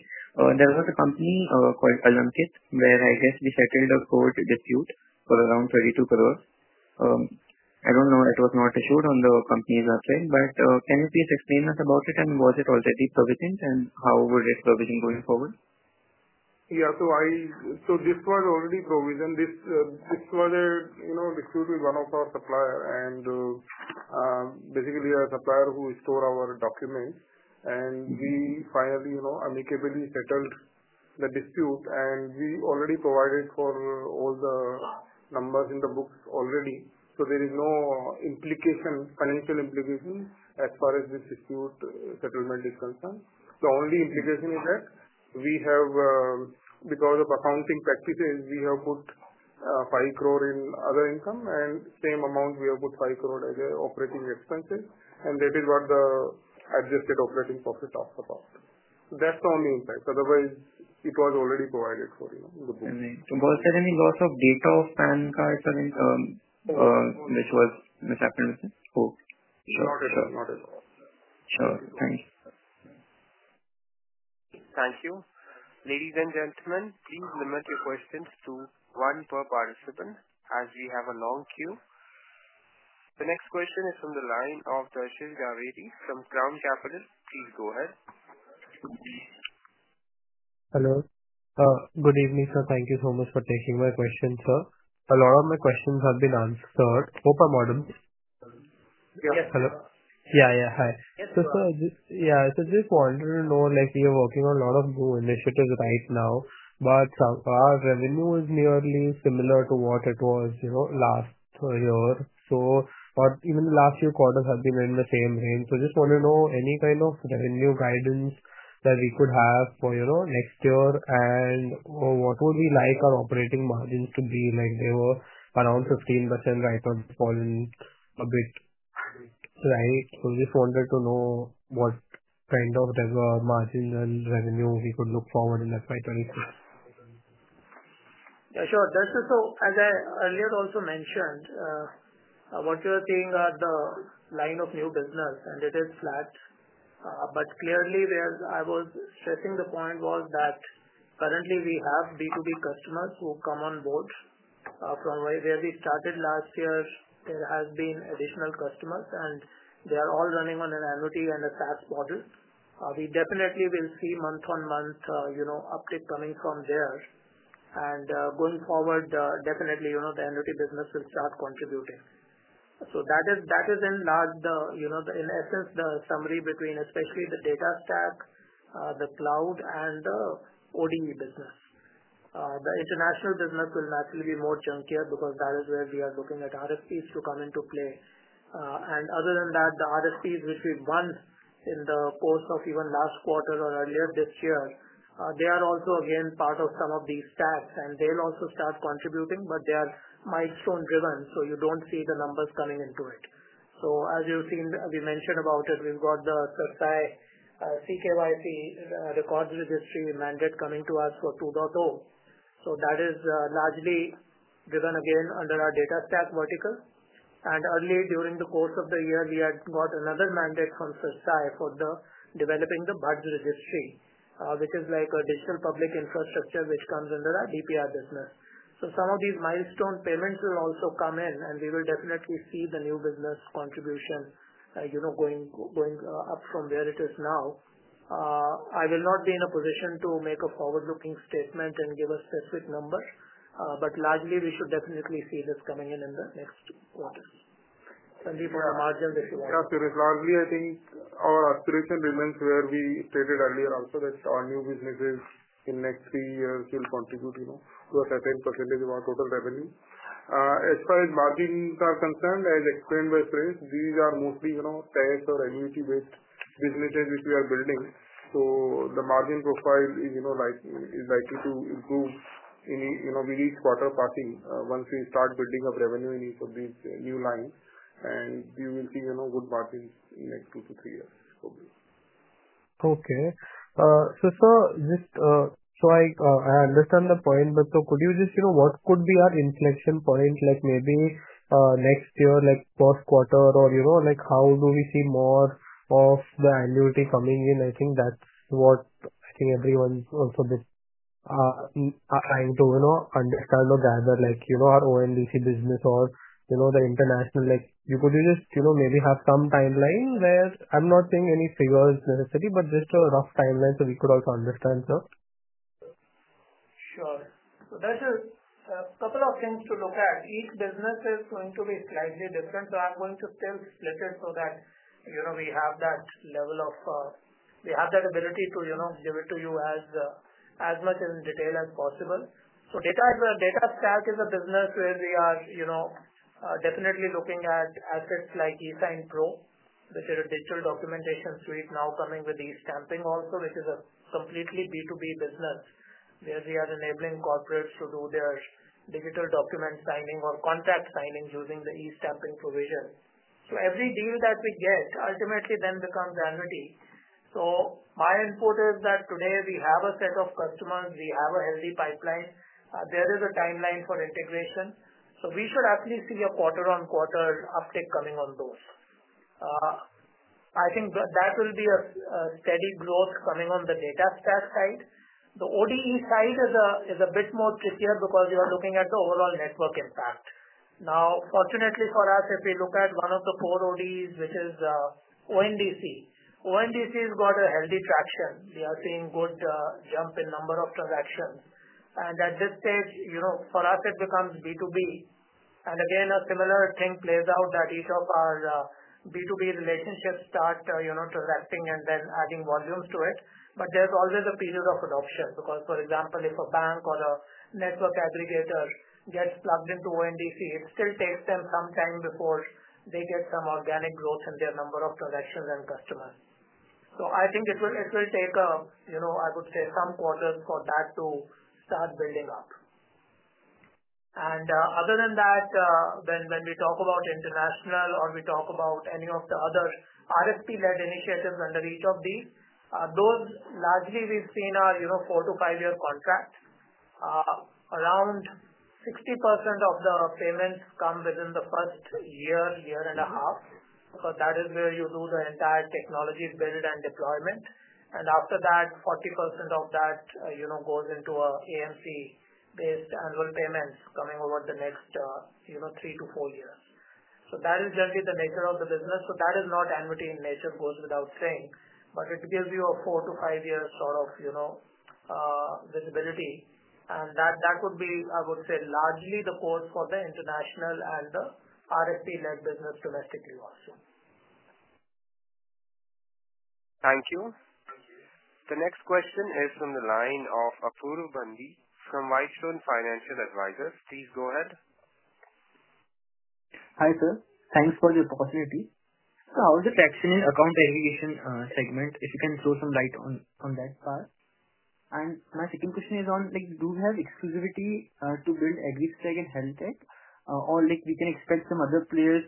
there was a company called Alankit where I guess we settled a commercial dispute for around 32 crore. I don't know. It was not issued on the company's website. But can you please explain us about it, and was it already provisioned, and how would it provision going forward? Yeah. So this was already provisioned. This was a dispute with one of our suppliers. And basically, a supplier who stores our documents. And we finally amicably settled the dispute. And we already provided for all the numbers in the books already. So there is no financial implication as far as this dispute settlement is concerned. The only implication is that we have, because of accounting practices, we have put 5 crore in other income, and same amount we have put 5 crore as operating expenses. And that is what the adjusted operating profit talks about. So that's the only impact. Otherwise, it was already provided for in the book. Was there any loss of data of PAN cards which happened with it? Not at all. Sure. Thank you. Thank you. Ladies and gentlemen, please limit your questions to one per participant as we have a long queue. The next question is from the line of Darshil Jhaveri from Crown Capital. Please go ahead. Hello. Good evening, sir. Thank you so much for taking my question, sir. A lot of my questions have been answered. Hope I'm audible. Yes. Hello. Yeah, yeah. Hi. So, sir, yeah, I just wanted to know, we are working on a lot of new initiatives right now, but our revenue is nearly similar to what it was last year. So even the last few quarters have been in the same range. So I just want to know any kind of revenue guidance that we could have for next year and what would we like our operating margins to be. They were around 15% right now, falling a bit, right? So we just wanted to know what kind of margins and revenue we could look forward in FY 2026. Yeah, sure Darshil. So as I earlier also mentioned, what you are seeing are the line of new business, and it is flat. But clearly, where I was stressing the point was that currently we have B2B customers who come on board. From where we started last year, there have been additional customers, and they are all running on an annuity and a SaaS model. We definitely will see month-on-month uptick coming from there. And going forward, definitely the annuity business will start contributing. So that is, in essence, the summary between especially the data stack, the cloud, and the ODE business. The international business will naturally be chunkier because that is where we are looking at RFPs to come into play. Other than that, the RFPs which we've won in the course of even last quarter or earlier this year, they are also again part of some of these stacks, and they'll also start contributing, but they are milestone-driven, so you don't see the numbers coming into it. As you've seen, we mentioned about it, we've got the CERSAI, CKYC records registry mandate coming to us for 2.0. That is largely driven again under our data stack vertical. Earlier during the course of the year, we had got another mandate from CERSAI for developing the BUDS Registry, which is like a digital public infrastructure which comes under our DPI business. Some of these milestone payments will also come in, and we will definitely see the new business contribution going up from where it is now. I will not be in a position to make a forward-looking statement and give a specific number, but largely we should definitely see this coming in the next quarter. Sandeep, for the margins if you want. Yes, sir. It's largely, I think, our aspiration remains where we stated earlier also that our new businesses in the next three years will contribute to a certain percentage of our total revenue. As far as margins are concerned, as explained by Suresh, these are mostly tax or annuity-based businesses which we are building. So the margin profile is likely to improve with each quarter passing once we start building up revenue in each of these new lines, and we will see good margins in the next two to three years. Okay. So, sir, just so I understand the point, but so could you just what could be our inflection point, maybe next year, like fourth quarter, or how do we see more of the annuity coming in? I think that's what everyone's also trying to understand or gather, like our ONDC business or the international. Could you just maybe have some timeline where I'm not seeing any figures necessarily, but just a rough timeline so we could also understand, sir? Sure. So there's a couple of things to look at. Each business is going to be slightly different, so I'm going to still split it so that we have that level of. We have that ability to give it to you as much in detail as possible. So data stack is a business where we are definitely looking at assets like eSignPro, which is a digital documentation suite now coming with eStamping also, which is a completely B2B business where we are enabling corporates to do their digital document signing or contract signing using the eStamping provision. So every deal that we get ultimately then becomes annuity. So my input is that today we have a set of customers, we have a healthy pipeline, there is a timeline for integration. So we should actually see a quarter-on-quarter uptick coming on those. I think that will be a steady growth coming on the data stack side. The ODE side is a bit more trickier because you are looking at the overall network impact. Now, fortunately for us, if we look at one of the core ODEs, which is ONDC, ONDC has got a healthy traction. We are seeing good jump in number of transactions. And at this stage, for us, it becomes B2B. And again, a similar thing plays out that each of our B2B relationships start transacting and then adding volumes to it. But there's always a period of adoption. Because, for example, if a bank or a network aggregator gets plugged into ONDC, it still takes them some time before they get some organic growth in their number of transactions and customers. So I think it will take, I would say, some quarters for that to start building up. And other than that, when we talk about international or we talk about any of the other RFP-led initiatives under each of these, those largely we've seen are four to five-year contracts. Around 60% of the payments come within the first year, year and a half. So that is where you do the entire technology build and deployment. And after that, 40% of that goes into AMC-based annual payments coming over the next three to four years. So that is generally the nature of the business. So that is not annuity in nature, goes without saying. But it gives you a four- to five-year sort of visibility. And that would be, I would say, largely the core for the international and the RFP-led business domestically also. Thank you. The next question is from the line of Apoorv Bandi from Whitestone Financial Advisors. Please go ahead. Hi, sir. Thanks for the opportunity. So how is the traction in account verification segment? If you can throw some light on that part. And my second question is on, do we have exclusivity to build Agri Stack in HealthTech, or we can expect some other players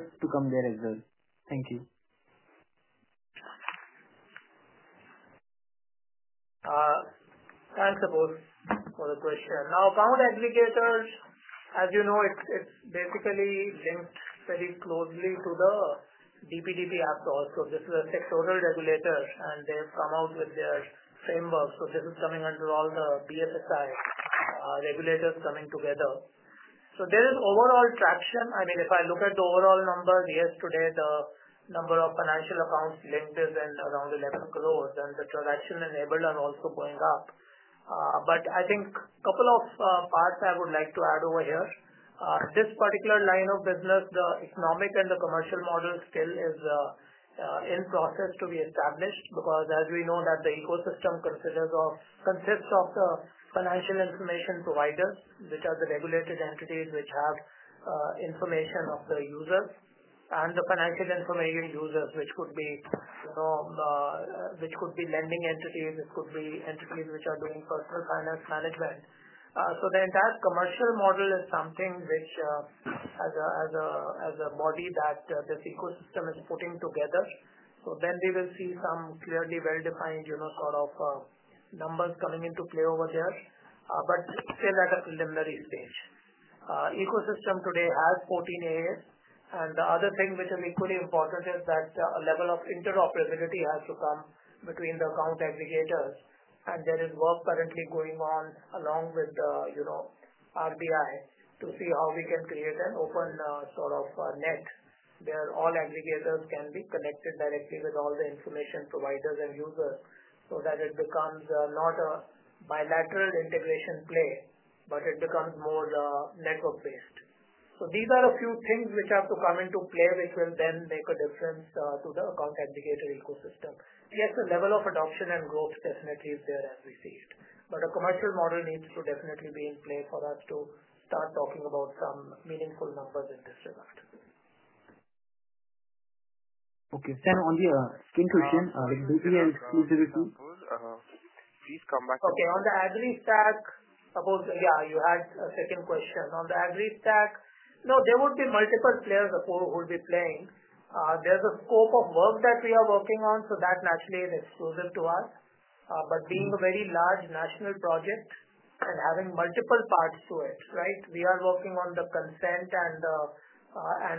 to come there as well? Thank you. Thanks, Apoorv, for the question. Now, account aggregators, as you know, it's basically linked very closely to the DPDP Act also. This is a sectoral regulator, and they've come out with their framework. So this is coming under all the BFSI regulators coming together. So there is overall traction. I mean, if I look at the overall numbers, yes, today the number of financial accounts linked is around 11 crore, and the transaction enabled are also going up. But I think a couple of parts I would like to add over here. This particular line of business, the economic and the commercial model still is in process to be established because, as we know, the ecosystem consists of the financial information providers, which are the regulated entities which have information of the users, and the financial information users, which could be lending entities, which could be entities which are doing personal finance management. So the entire commercial model is something which, as a body that this ecosystem is putting together. So then we will see some clearly well-defined sort of numbers coming into play over there, but still at a preliminary stage. Ecosystem today has 14 AAs. And the other thing which is equally important is that the level of interoperability has to come between the account aggregators. And there is work currently going on along with the RBI to see how we can create an open sort of net where all aggregators can be connected directly with all the information providers and users so that it becomes not a bilateral integration play, but it becomes more network-based. So these are a few things which have to come into play which will then make a difference to the account aggregator ecosystem. Yes, the level of adoption and growth definitely is there as we see it. But a commercial model needs to definitely be in play for us to start talking about some meaningful numbers in this regard. Okay. Sir, only a second question. DPI exclusivity. Please come back to that. Okay. On the Agri Stack, Apoorv, yeah, you had a second question. On the Agri Stack, no, there would be multiple players who would be playing. There's a scope of work that we are working on, so that naturally is exclusive to us. But being a very large national project and having multiple parts to it, right? We are working on the consent and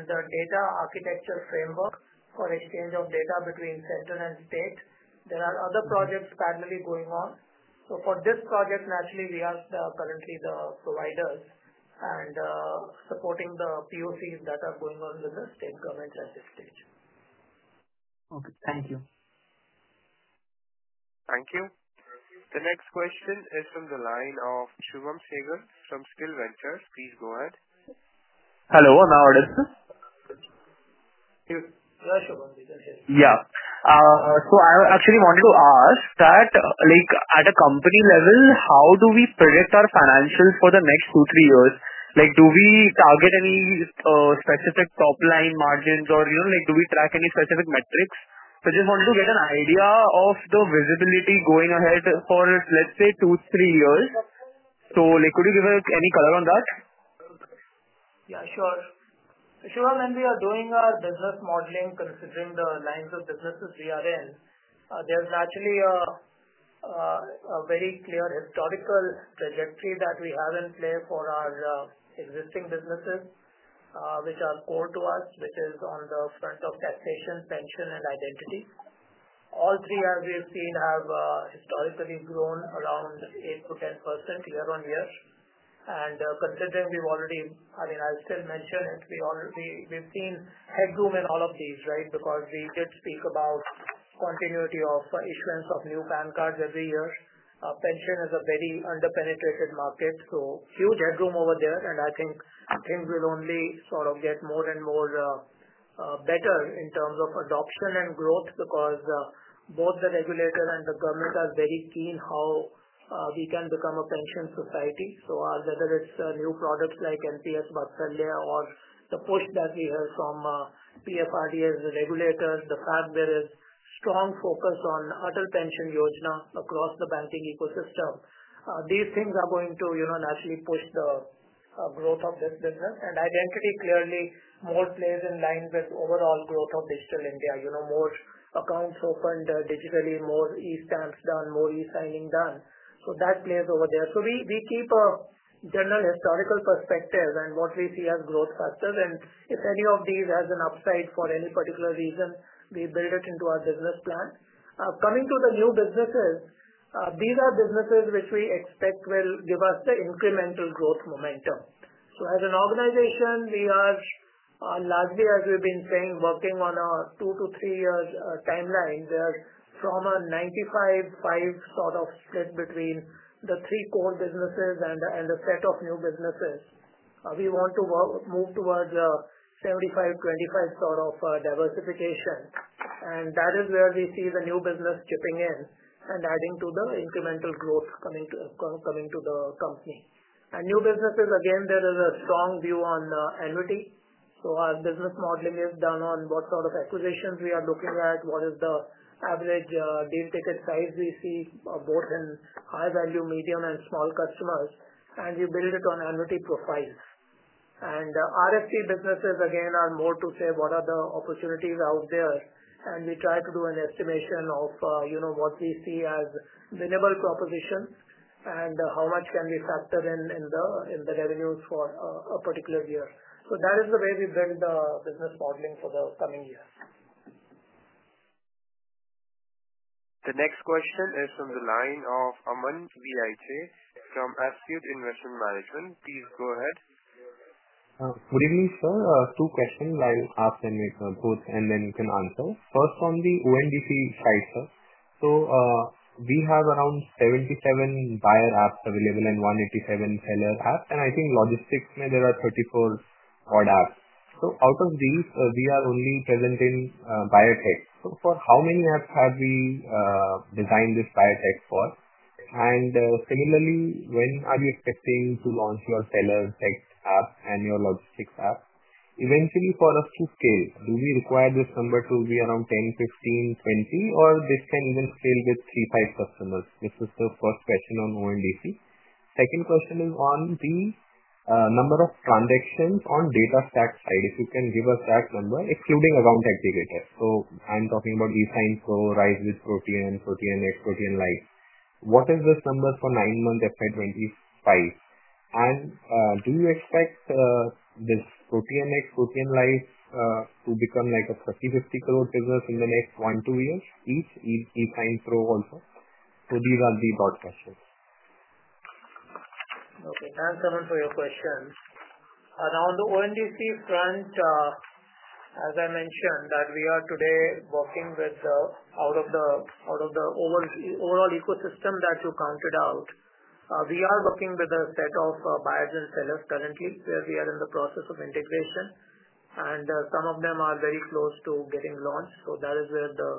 the data architecture framework for exchange of data between center and state. There are other projects parallelly going on. So for this project, naturally, we are currently the providers and supporting the POCs that are going on with the state governments at this stage. Okay. Thank you. Thank you. The next question is from the line of Shubham Sehgal from Skill Ventures. Please go ahead. Hello. I'm now audible? Yeah, Shubham. You can hear me? Yeah. So I actually wanted to ask that, at a company level, how do we predict our financials for the next two to three years? Do we target any specific top-line margins, or do we track any specific metrics? So I just wanted to get an idea of the visibility going ahead for, let's say, two to three years. So could you give any color on that? Yeah, sure. Shubham, when we are doing our business modeling, considering the lines of businesses we are in, there's naturally a very clear historical trajectory that we have in play for our existing businesses which are core to us, which is on the front of taxation, pension, and identity. All three, as we've seen, have historically grown around 8%-10% year-on-year. And considering we've already, I mean, I'll still mention it, we've seen headroom in all of these, right? Because we did speak about continuity of issuance of new PAN cards every year. Pension is a very under-penetrated market, so huge headroom over there. And I think things will only sort of get more and more better in terms of adoption and growth because both the regulator and the government are very keen on how we can become a pension society. So whether it's new products like NPS Vatsalya or the push that we heard from PFRDA as the regulator, the fact there is strong focus on Atal Pension Yojana across the banking ecosystem, these things are going to naturally push the growth of this business. And identity clearly more plays in line with overall growth of Digital India. More accounts opened digitally, more e-stamps done, more e-signing done. So that plays over there. So we keep a general historical perspective and what we see as growth factors. And if any of these has an upside for any particular reason, we build it into our business plan. Coming to the new businesses, these are businesses which we expect will give us the incremental growth momentum. So, as an organization, we are largely, as we've been saying, working on a two to three-year timeline where from a 95/5 sort of split between the three core businesses and a set of new businesses. We want to move towards a 75/25 sort of diversification. And that is where we see the new business chipping in and adding to the incremental growth coming to the company. And new businesses, again, there is a strong view on annuity. So our business modeling is done on what sort of acquisitions we are looking at, what is the average deal ticket size we see both in high-value, medium, and small customers, and we build it on annuity profiles. And RFP businesses, again, are more to say what are the opportunities out there. We try to do an estimation of what we see as minimal propositions and how much can we factor in the revenues for a particular year. That is the way we build the business modeling for the coming years. The next question is from the line of Aman Vij from Astute Investment Management. Please go ahead. Good evening, sir. Two questions I'll ask and both, and then you can answer. First, on the ONDC side, sir. So we have around 77 buyer apps available and 187 seller apps. And I think logistics, maybe there are 34-odd apps. So out of these, we are only present in Buyer tech. So for how many apps have we designed this Buyer Tech for? And similarly, when are you expecting to launch your seller app and your logistics app? Eventually, for us to scale, do we require this number to be around 10, 15, 20, or this can even scale with 3, 5 customers? This is the first question on ONDC. Second question is on the number of transactions on data stack side. If you can give us that number, excluding account aggregators. So I'm talking about eSignPro, RISE with Protean, Protean X, Protean Life. What is this number for nine months FY 2025? And do you expect this Protean X, Protean Life to become like a 30-50 crore business in the next one, two years? eSignPro also. So these are the broad questions. Okay. Thanks, Aman, for your question. On the ONDC front, as I mentioned, that we are today working with out of the overall ecosystem that you counted out, we are working with a set of buyers and sellers currently where we are in the process of integration. Some of them are very close to getting launched. That is where the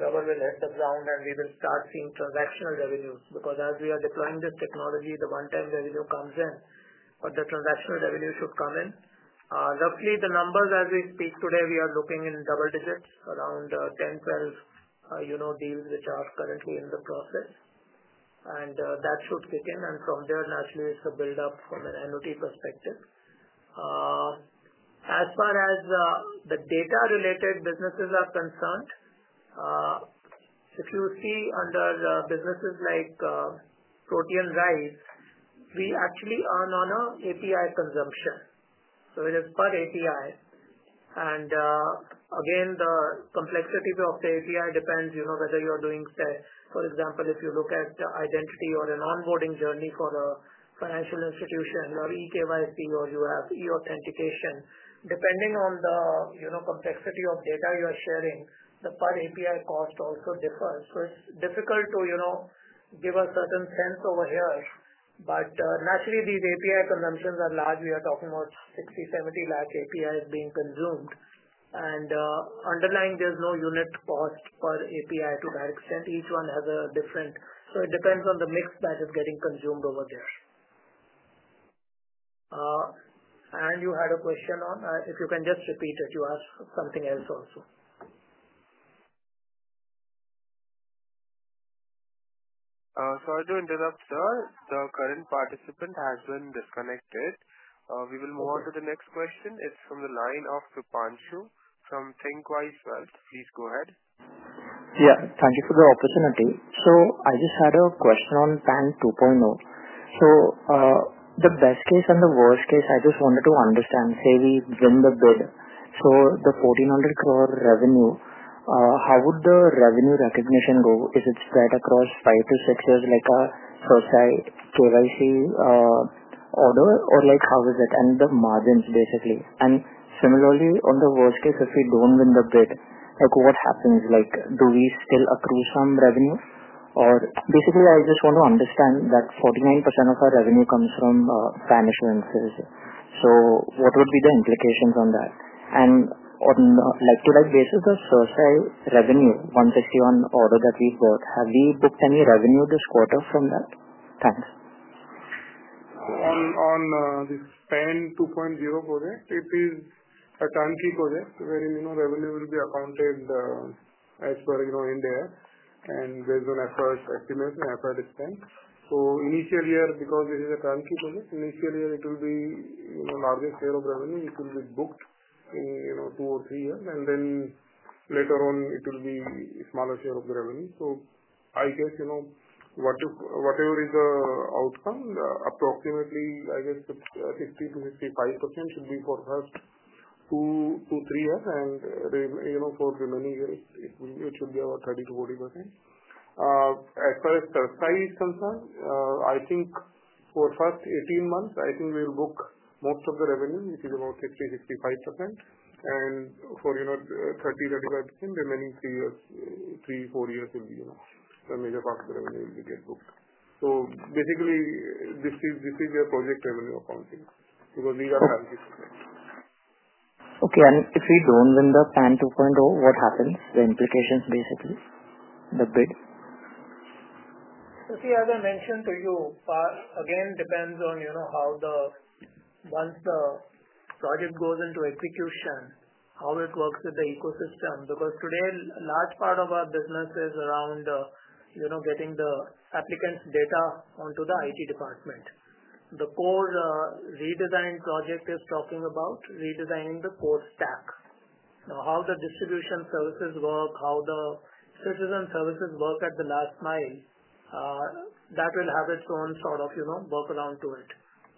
rubber hits the road, and we will start seeing transactional revenues. Because as we are deploying this technology, the one-time revenue comes in, but the transactional revenue should come in. Roughly, the numbers as we speak today, we are looking in double digits, around 10-12 deals which are currently in the process. That should kick in. From there, naturally, it's a build-up from an annuity perspective. As far as the data-related businesses are concerned, if you see under businesses like Protean RISE, we actually earn on an API consumption. So it is per API. And again, the complexity of the API depends whether you're doing, say, for example, if you look at identity or an onboarding journey for a financial institution or eKYC, or you have e-authentication. Depending on the complexity of data you are sharing, the per API cost also differs. So it's difficult to give a certain sense over here. But naturally, these API consumptions are large. We are talking about 60, 70 lakh APIs being consumed. And underlying, there's no unit cost per API to that extent. Each one has a different. So it depends on the mix that is getting consumed over there. And you had a question on if you can just repeat it. You asked something else also. Sorry to interrupt, sir. The current participant has been disconnected. We will move on to the next question. It's from the line of Krupanshu from Thinqwise Wealth. Please go ahead. Yeah. Thank you for the opportunity. So I just had a question on PAN 2.0. So the best case and the worst case, I just wanted to understand. Say we win the bid. So the 1,400 crore revenue, how would the revenue recognition go? Is it spread across five-to-six years like a CERSAI KYC order, or how is it? And the margins, basically. And similarly, on the worst case, if we don't win the bid, what happens? Do we still accrue some revenue, or? Basically, I just want to understand that 49% of our revenue comes from PAN issuances. So what would be the implications on that? And on a like-to-like basis, the CERSAI revenue, 161 order that we've bought, have we booked any revenue this quarter from that? Thanks. On this PAN 2.0 project, it is a turnkey project wherein revenue will be accounted as per in there. And based on effort estimate and effort expense. Initial year, because this is a turnkey project, initial year, it will be the largest share of revenue. It will be booked in two or three years. Then later on, it will be a smaller share of the revenue. I guess whatever is the outcome, approximately, I guess 60%-65% should be for the first two to three years. For the remaining years, it should be about 30%-40%. As far as CERSAI is concerned, I think for the first 18 months, I think we'll book most of the revenue, which is about 60%-65%. For 30%-35%, remaining three years, three, four years will be the major part of the revenue will be booked. So basically, this is the project revenue accounting because these are targets. Okay. And if we don't win the PAN 2.0, what happens? The implications, basically, the bid? See, as I mentioned to you, again, it depends on how, once the project goes into execution, how it works with the ecosystem, because today, a large part of our business is around getting the applicants' data onto the IT Department. The core redesign project is talking about redesigning the core stack. Now, how the distribution services work, how the citizen services work at the last mile, that will have its own sort of workaround to it,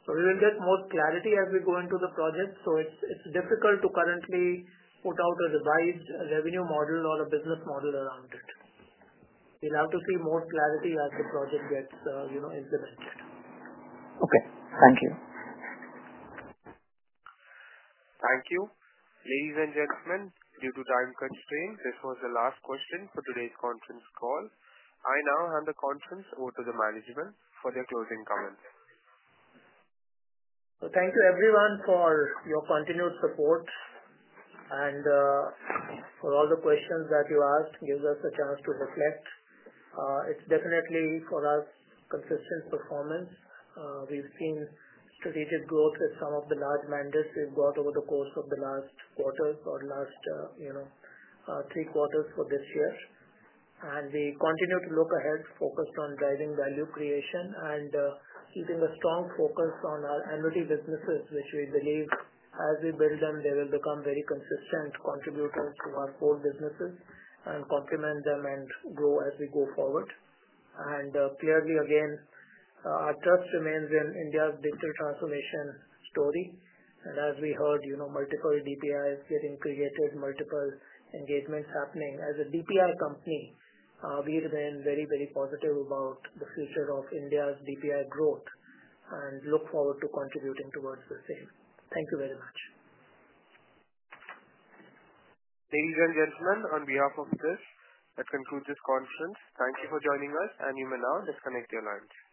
so we will get more clarity as we go into the project, so it's difficult to currently put out a revised revenue model or a business model around it. We'll have to see more clarity as the project gets implemented. Okay. Thank you. Thank you. Ladies and gentlemen, due to time constraints, this was the last question for today's conference call. I now hand the conference over to the management for their closing comments. Thank you, everyone, for your continued support and for all the questions that you asked. It gives us a chance to reflect. It's definitely for us consistent performance. We've seen strategic growth with some of the large mandates we've got over the course of the last quarter or last three quarters for this year. We continue to look ahead, focused on driving value creation and keeping a strong focus on our annuity businesses, which we believe as we build them, they will become very consistent contributors to our core businesses and complement them and grow as we go forward. Clearly, again, our trust remains in India's digital transformation story. As we heard, multiple DPIs getting created, multiple engagements happening. As a DPI company, we remain very, very positive about the future of India's DPI growth and look forward to contributing towards the same. Thank you very much. Ladies and gentlemen, on behalf of this, that concludes this conference. Thank you for joining us, and you may now disconnect your lines.